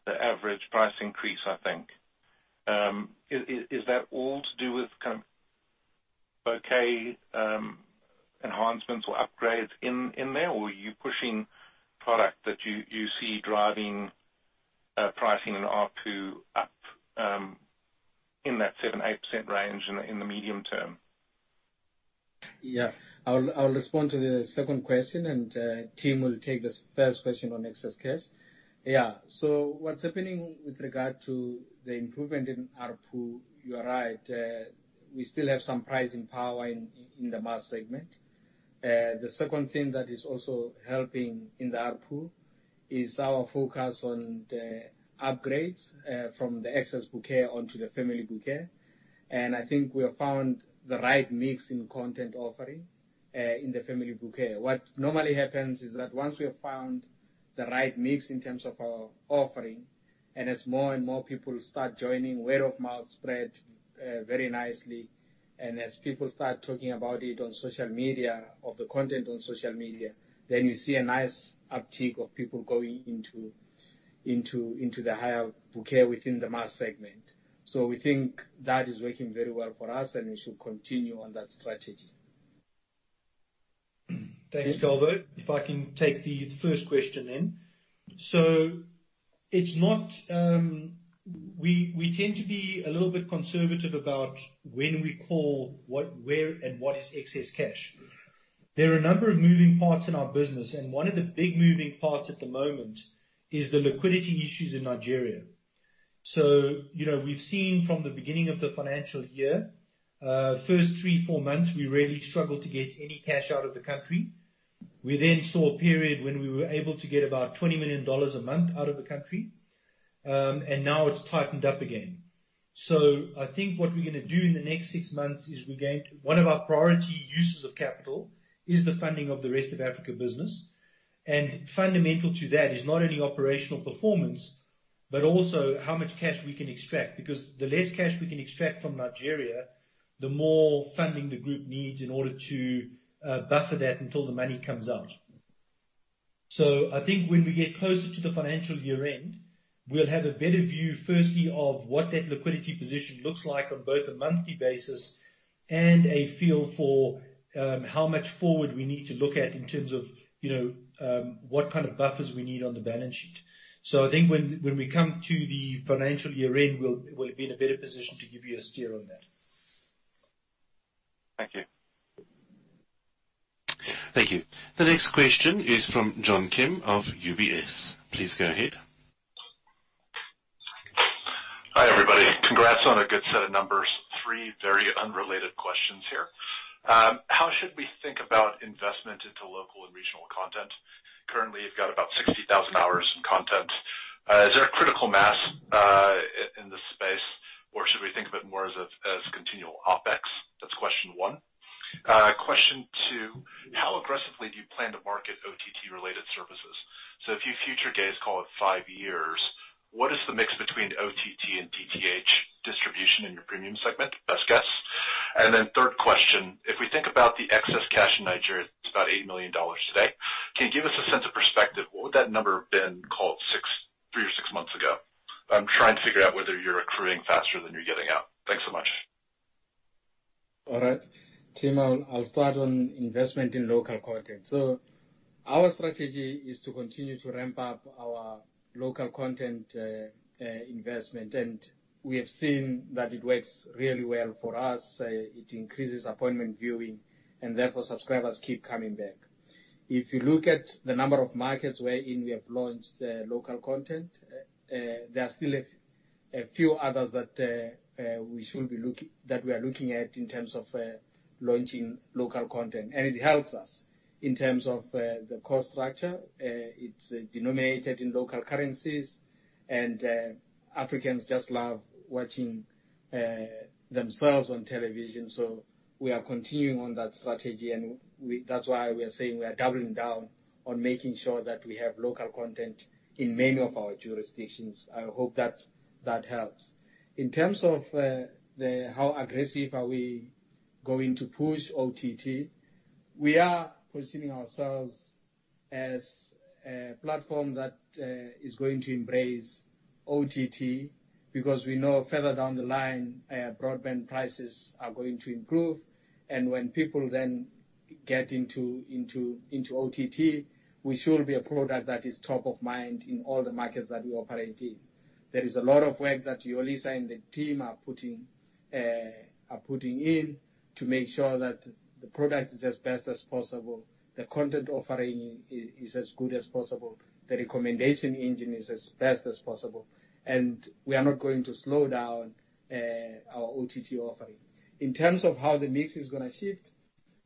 average price increase, I think. Is that all to do with bouquet enhancements or upgrades in there, or are you pushing product that you see driving pricing and ARPU up in that 7%-8% range in the medium term? Yeah. I'll respond to the second question, and Tim will take the first question on excess cash. Yeah. What's happening with regard to the improvement in ARPU, you are right. The second thing that is also helping in the ARPU is our focus on the upgrades from the Access bouquet onto the family bouquet. I think we have found the right mix in content offering in the family bouquet. What normally happens is that once we have found the right mix in terms of our offering, and as more and more people start joining, word of mouth spread very nicely. As people start talking about it on social media, of the content on social media, then you see a nice uptick of people going into the higher bouquet within the mass segment. We think that is working very well for us, and we should continue on that strategy. Thanks, Calvo. If I can take the first question then. We tend to be a little bit conservative about when we call where and what is excess cash. There are a number of moving parts in our business, and one of the big moving parts at the moment is the liquidity issues in Nigeria. We've seen from the beginning of the financial year, first three, four months, we really struggled to get any cash out of the country. We then saw a period when we were able to get about $20 million a month out of the country, and now it's tightened up again. I think what we're going to do in the next six months is one of our priority uses of capital is the funding of the Rest of Africa business. Fundamental to that is not only operational performance, but also how much cash we can extract. The less cash we can extract from Nigeria, the more funding the group needs in order to buffer that until the money comes out. I think when we get closer to the financial year-end, we'll have a better view, firstly, of what that liquidity position looks like on both a monthly basis and a feel for how much forward we need to look at in terms of what kind of buffers we need on the balance sheet. I think when we come to the financial year-end, we'll be in a better position to give you a steer on that. Thank you. Thank you. The next question is from John Kim of UBS. Please go ahead. Hi, everybody. Congrats on a good set of numbers. Three very unrelated questions here. How should we think about investment into local and regional content? Currently, you've got about 60,000 hours in content. Is there a critical mass in this space? Should we think of it more as continual OpEx? That's question one. Question two, how aggressively do you plan to market OTT related services? If you future gaze, call it five years, what is the mix between OTT and DTH distribution in your premium segment? Best guess. Third question, if we think about the excess cash in Nigeria, it's about $80 million today. Can you give us a sense of perspective, what would that number have been, call it three or six months ago? I'm trying to figure out whether you're accruing faster than you're getting out. Thanks so much. All right. Tim, I'll start on investment in local content. Our strategy is to continue to ramp up our local content investment. We have seen that it works really well for us. It increases appointment viewing, and therefore subscribers keep coming back. If you look at the number of markets wherein we have launched local content, there are still a few others that we are looking at in terms of launching local content. It helps us in terms of the cost structure. It's denominated in local currencies, and Africans just love watching themselves on television. We are continuing on that strategy, and that's why we are saying we are doubling down on making sure that we have local content in many of our jurisdictions. I hope that helps. In terms of how aggressive are we going to push OTT, we are positioning ourselves as a platform that is going to embrace OTT because we know further down the line, broadband prices are going to improve. When people then get into OTT, we should be a product that is top of mind in all the markets that we operate in. There is a lot of work that Yolisa and the team are putting in to make sure that the product is as best as possible, the content offering is as good as possible, the recommendation engine is as best as possible. We are not going to slow down our OTT offering. In terms of how the mix is going to shift,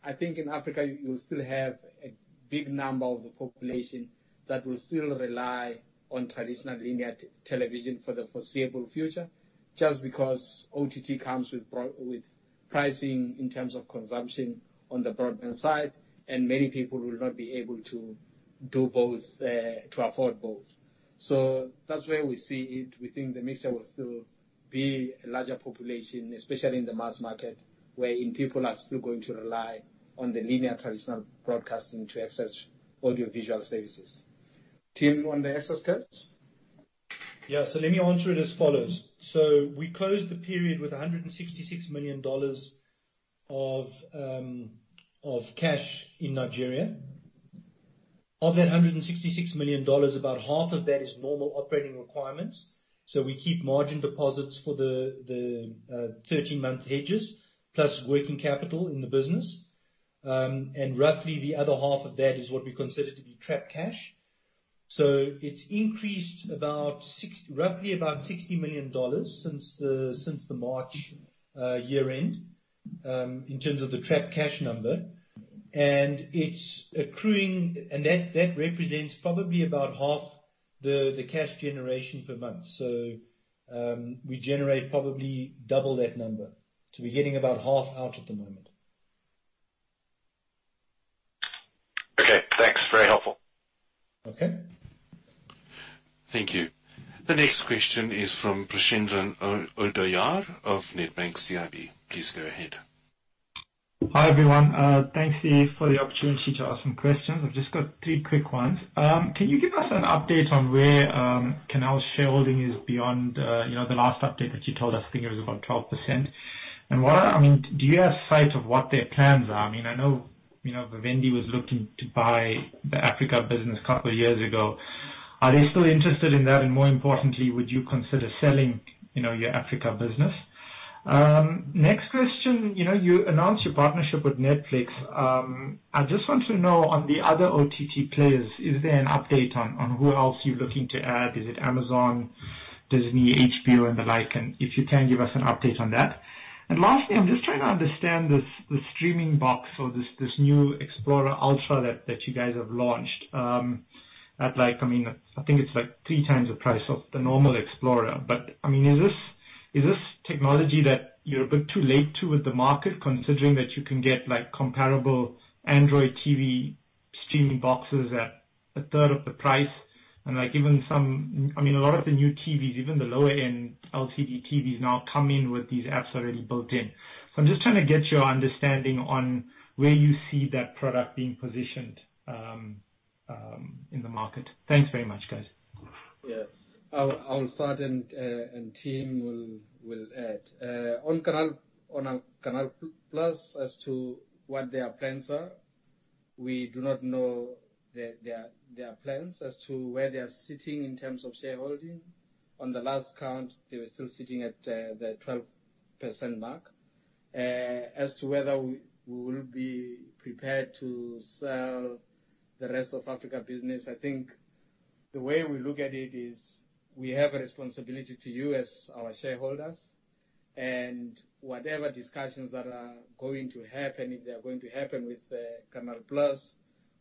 I think in Africa, you'll still have a big number of the population that will still rely on traditional linear television for the foreseeable future, just because OTT comes with pricing in terms of consumption on the broadband side, and many people will not be able to afford both. That's where we see it. We think the mix will still be a larger population, especially in the mass market, wherein people are still going to rely on the linear traditional broadcasting to access audiovisual services. Tim, on the excess cash? Yeah. Let me answer it as follows. We closed the period with $166 million of cash in Nigeria. Of that $166 million, about half of that is normal operating requirements. We keep margin deposits for the 13-month hedges, plus working capital in the business. Roughly the other half of that is what we consider to be trapped cash. It's increased roughly about $60 million since the March year-end, in terms of the trapped cash number. That represents probably about half the cash generation per month. We generate probably double that number. We're getting about half out at the moment. Okay, thanks. Very helpful. Okay. Thank you. The next question is from Preshendran Odayar of Nedbank CIB. Please go ahead. Hi, everyone. Thanks for the opportunity to ask some questions. I've just got three quick ones. Can you give us an update on where Canal's shareholding is beyond the last update that you told us? I think it was about 12%. Do you have sight of what their plans are? I know Vivendi was looking to buy the Africa business a couple of years ago. Are they still interested in that? More importantly, would you consider selling your Africa business? Next question. You announced your partnership with Netflix. I just want to know on the other OTT players, is there an update on who else you're looking to add? Is it Amazon, Disney, HBO, and the like? If you can give us an update on that. Lastly, I'm just trying to understand this streaming box or this new Explora Ultra that you guys have launched. I think it's 3 times the price of the normal Explora. Is this technology that you're a bit too late to with the market, considering that you can get comparable Android TV streaming boxes at a third of the price? A lot of the new TVs, even the lower end LCD TVs now come in with these apps already built in. I'm just trying to get your understanding on where you see that product being positioned in the market. Thanks very much, guys. Yeah. I'll start and Tim will add. On Canal+, as to what their plans are, we do not know their plans as to where they are sitting in terms of shareholding. On the last count, they were still sitting at the 12% mark. As to whether we will be prepared to sell the Rest of Africa business, I think the way we look at it is we have a responsibility to you as our shareholders. Whatever discussions that are going to happen, if they're going to happen with Canal+,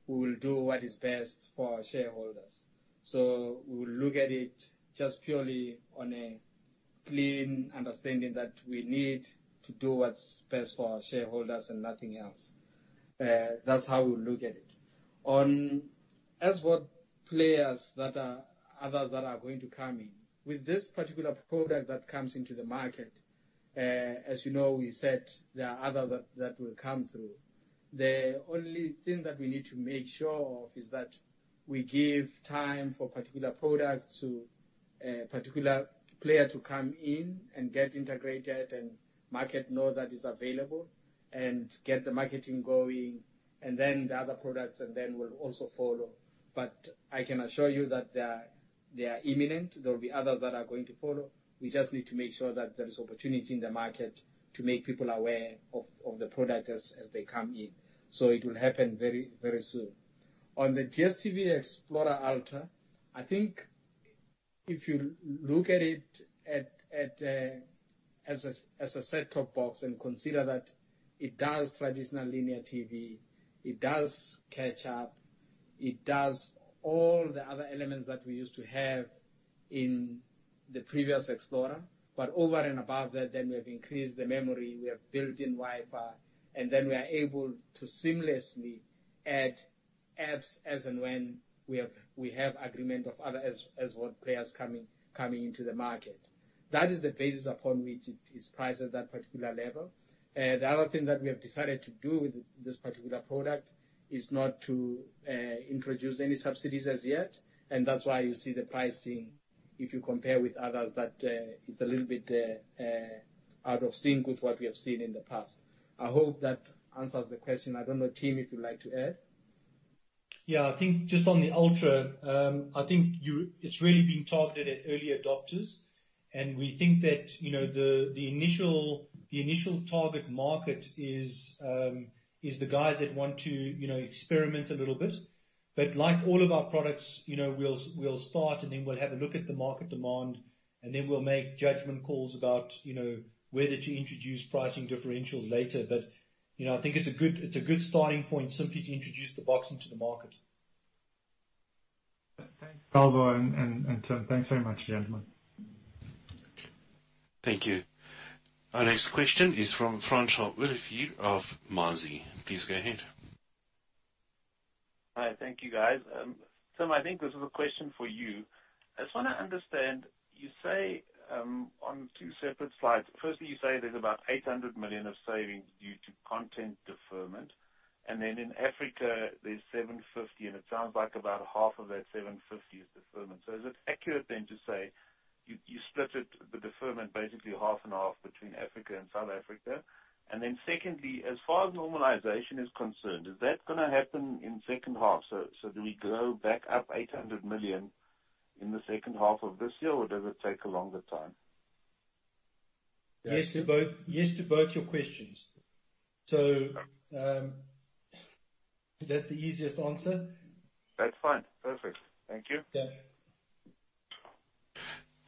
we will do what is best for our shareholders. We will look at it just purely on a clean understanding that we need to do what's best for our shareholders and nothing else. That's how we'll look at it. As what players that are others that are going to come in. With this particular product that comes into the market, as you know, we said there are others that will come through. The only thing that we need to make sure of is that we give time for particular products to a particular player to come in and get integrated, and market know that it's available, and get the marketing going, and then the other products, and then will also follow. I can assure you that they are imminent. There will be others that are going to follow. We just need to make sure that there is opportunity in the market to make people aware of the product as they come in. It will happen very soon. On the DStv Explora Ultra, I think if you look at it as a set-top box and consider that it does traditional linear TV, it does catch up, it does all the other elements that we used to have in the previous Explora. Over and above that, we have increased the memory, we have built-in Wi-Fi, and we are able to seamlessly add apps as and when we have agreement of other OTT players coming into the market. That is the basis upon which it is priced at that particular level. The other thing that we have decided to do with this particular product is not to introduce any subsidies as yet, and that's why you see the pricing, if you compare with others, that it's a little bit out of sync with what we have seen in the past. I hope that answers the question. I don't know, Tim, if you'd like to add? Yeah. I think just on the Ultra, I think it's really being targeted at early adopters. We think that the initial target market is the guys that want to experiment a little bit. Like all of our products, we'll start, then we'll have a look at the market demand, then we'll make judgment calls about whether to introduce pricing differentials later. I think it's a good starting point simply to introduce the box into the market. Thanks, Calvo and Tim. Thanks very much, gentlemen. Thank you. Our next question is from Francois Willett of Mergence. Please go ahead. Hi. Thank you, guys. Tim, I think this is a question for you. I just want to understand, you say on two separate slides, firstly, you say there's about 800 million of savings due to content deferment, then in Africa, there's 750 million, and it sounds like about half of that 750 million is deferment. Is it accurate then to say you split it, the deferment, basically half and half between Africa and South Africa? Secondly, as far as normalization is concerned, is that going to happen in second half? Do we grow back up 800 million in the second half of this year, or does it take a longer time? Yes to both your questions. Is that the easiest answer? That's fine. Perfect. Thank you. Yeah.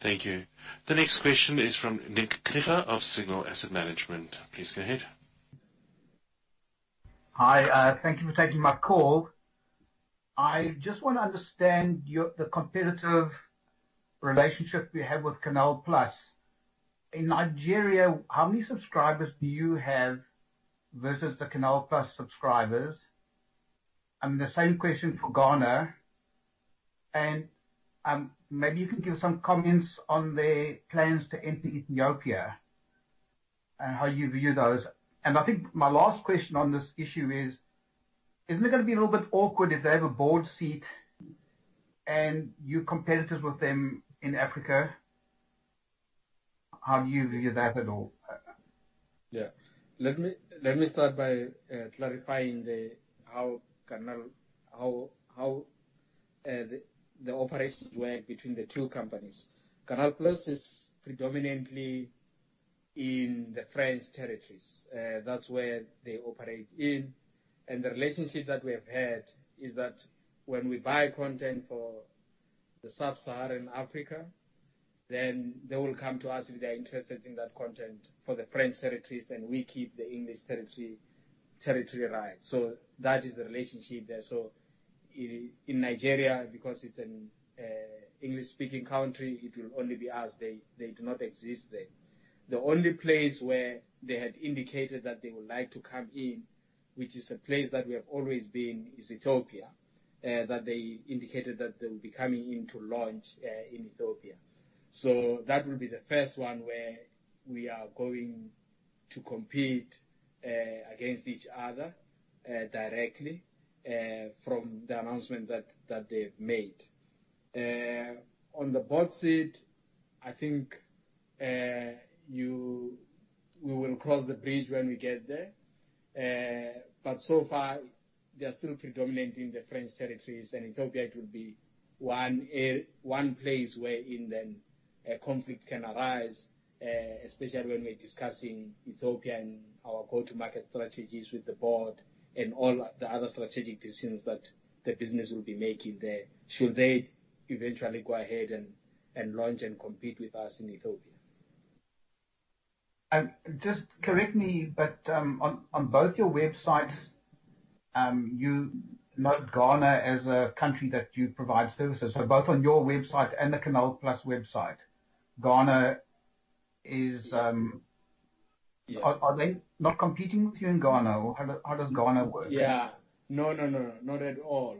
Thank you. The next question is from [Nick Clifford] of Signal Asset Management. Please go ahead. Hi. Thank you for taking my call. I just want to understand the competitive relationship you have with Canal+. In Nigeria, how many subscribers do you have versus the Canal+ subscribers? The same question for Ghana. Maybe you can give some comments on their plans to enter Ethiopia and how you view those. I think my last question on this issue is, isn't it going to be a little bit awkward if they have a board seat and you're competitors with them in Africa? How do you view that at all? Yeah. Let me start by clarifying how the operations work between the two companies. Canal+ is predominantly in the French territories. That is where they operate in. The relationship that we have had is that when we buy content for the Sub-Saharan Africa, then they will come to us if they are interested in that content for the French territories, then we keep the English territory rights. That is the relationship there. In Nigeria, because it is an English-speaking country, it will only be us. They do not exist there. The only place where they had indicated that they would like to come in, which is a place that we have always been, is Ethiopia, that they indicated that they will be coming in to launch in Ethiopia. That will be the first one where we are going to compete against each other directly from the announcement that they've made. On the board seat, I think we will cross the bridge when we get there. So far, they are still predominant in the French territories, and Ethiopia, it will be one place where a conflict can arise, especially when we're discussing Ethiopia and our go-to-market strategies with the board and all the other strategic decisions that the business will be making there should they eventually go ahead and launch and compete with us in Ethiopia. Just correct me, but on both your websites, you note Ghana as a country that you provide services. Both on your website and the Canal+ website, Ghana is. Yeah. Are they not competing with you in Ghana, or how does Ghana work? Yeah. No, not at all.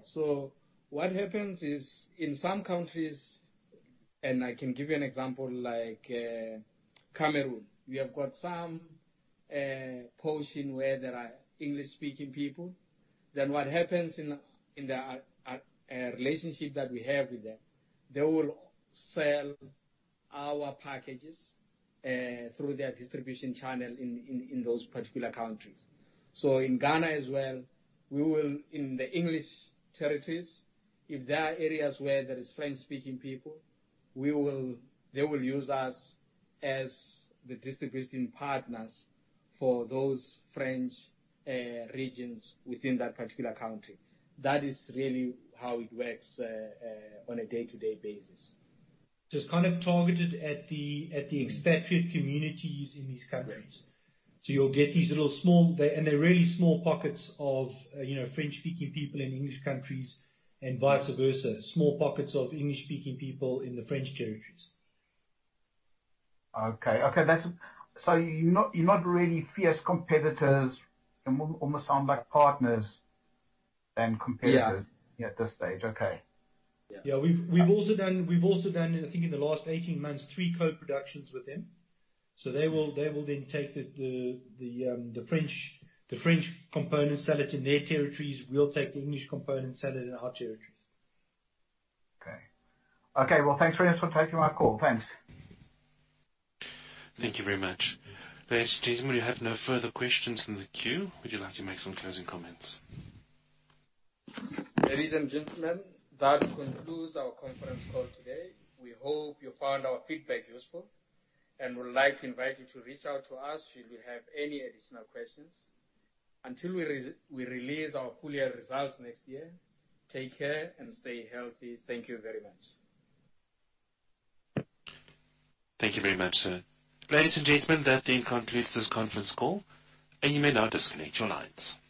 What happens is, in some countries, and I can give you an example like Cameroon, we have got some portion where there are English-speaking people. What happens in the relationship that we have with them, they will sell our packages through their distribution channel in those particular countries. In Ghana as well, in the English territories, if there are areas where there is French-speaking people, they will use us as the distribution partners for those French regions within that particular country. That is really how it works on a day-to-day basis. Just targeted at the expatriate communities in these countries. Right. You'll get these little small, and they're really small pockets of French-speaking people in English countries and vice versa. Small pockets of English-speaking people in the French territories. Okay. You're not really fierce competitors. You almost sound like partners than competitors. Yeah at this stage. Okay. Yeah. Yeah, we've also done, I think in the last 18 months, three co-productions with them. They will then take the French component, sell it in their territories. We'll take the English component, sell it in our territories. Okay. Well, thanks very much for taking my call. Thanks. Thank you very much. Ladies and gentlemen, we have no further questions in the queue. Would you like to make some closing comments? Ladies and gentlemen, that concludes our conference call today. We hope you found our feedback useful, and would like to invite you to reach out to us should you have any additional questions. Until we release our full year results next year, take care and stay healthy. Thank you very much. Thank you very much, sir. Ladies and gentlemen, that then concludes this conference call, and you may now disconnect your lines.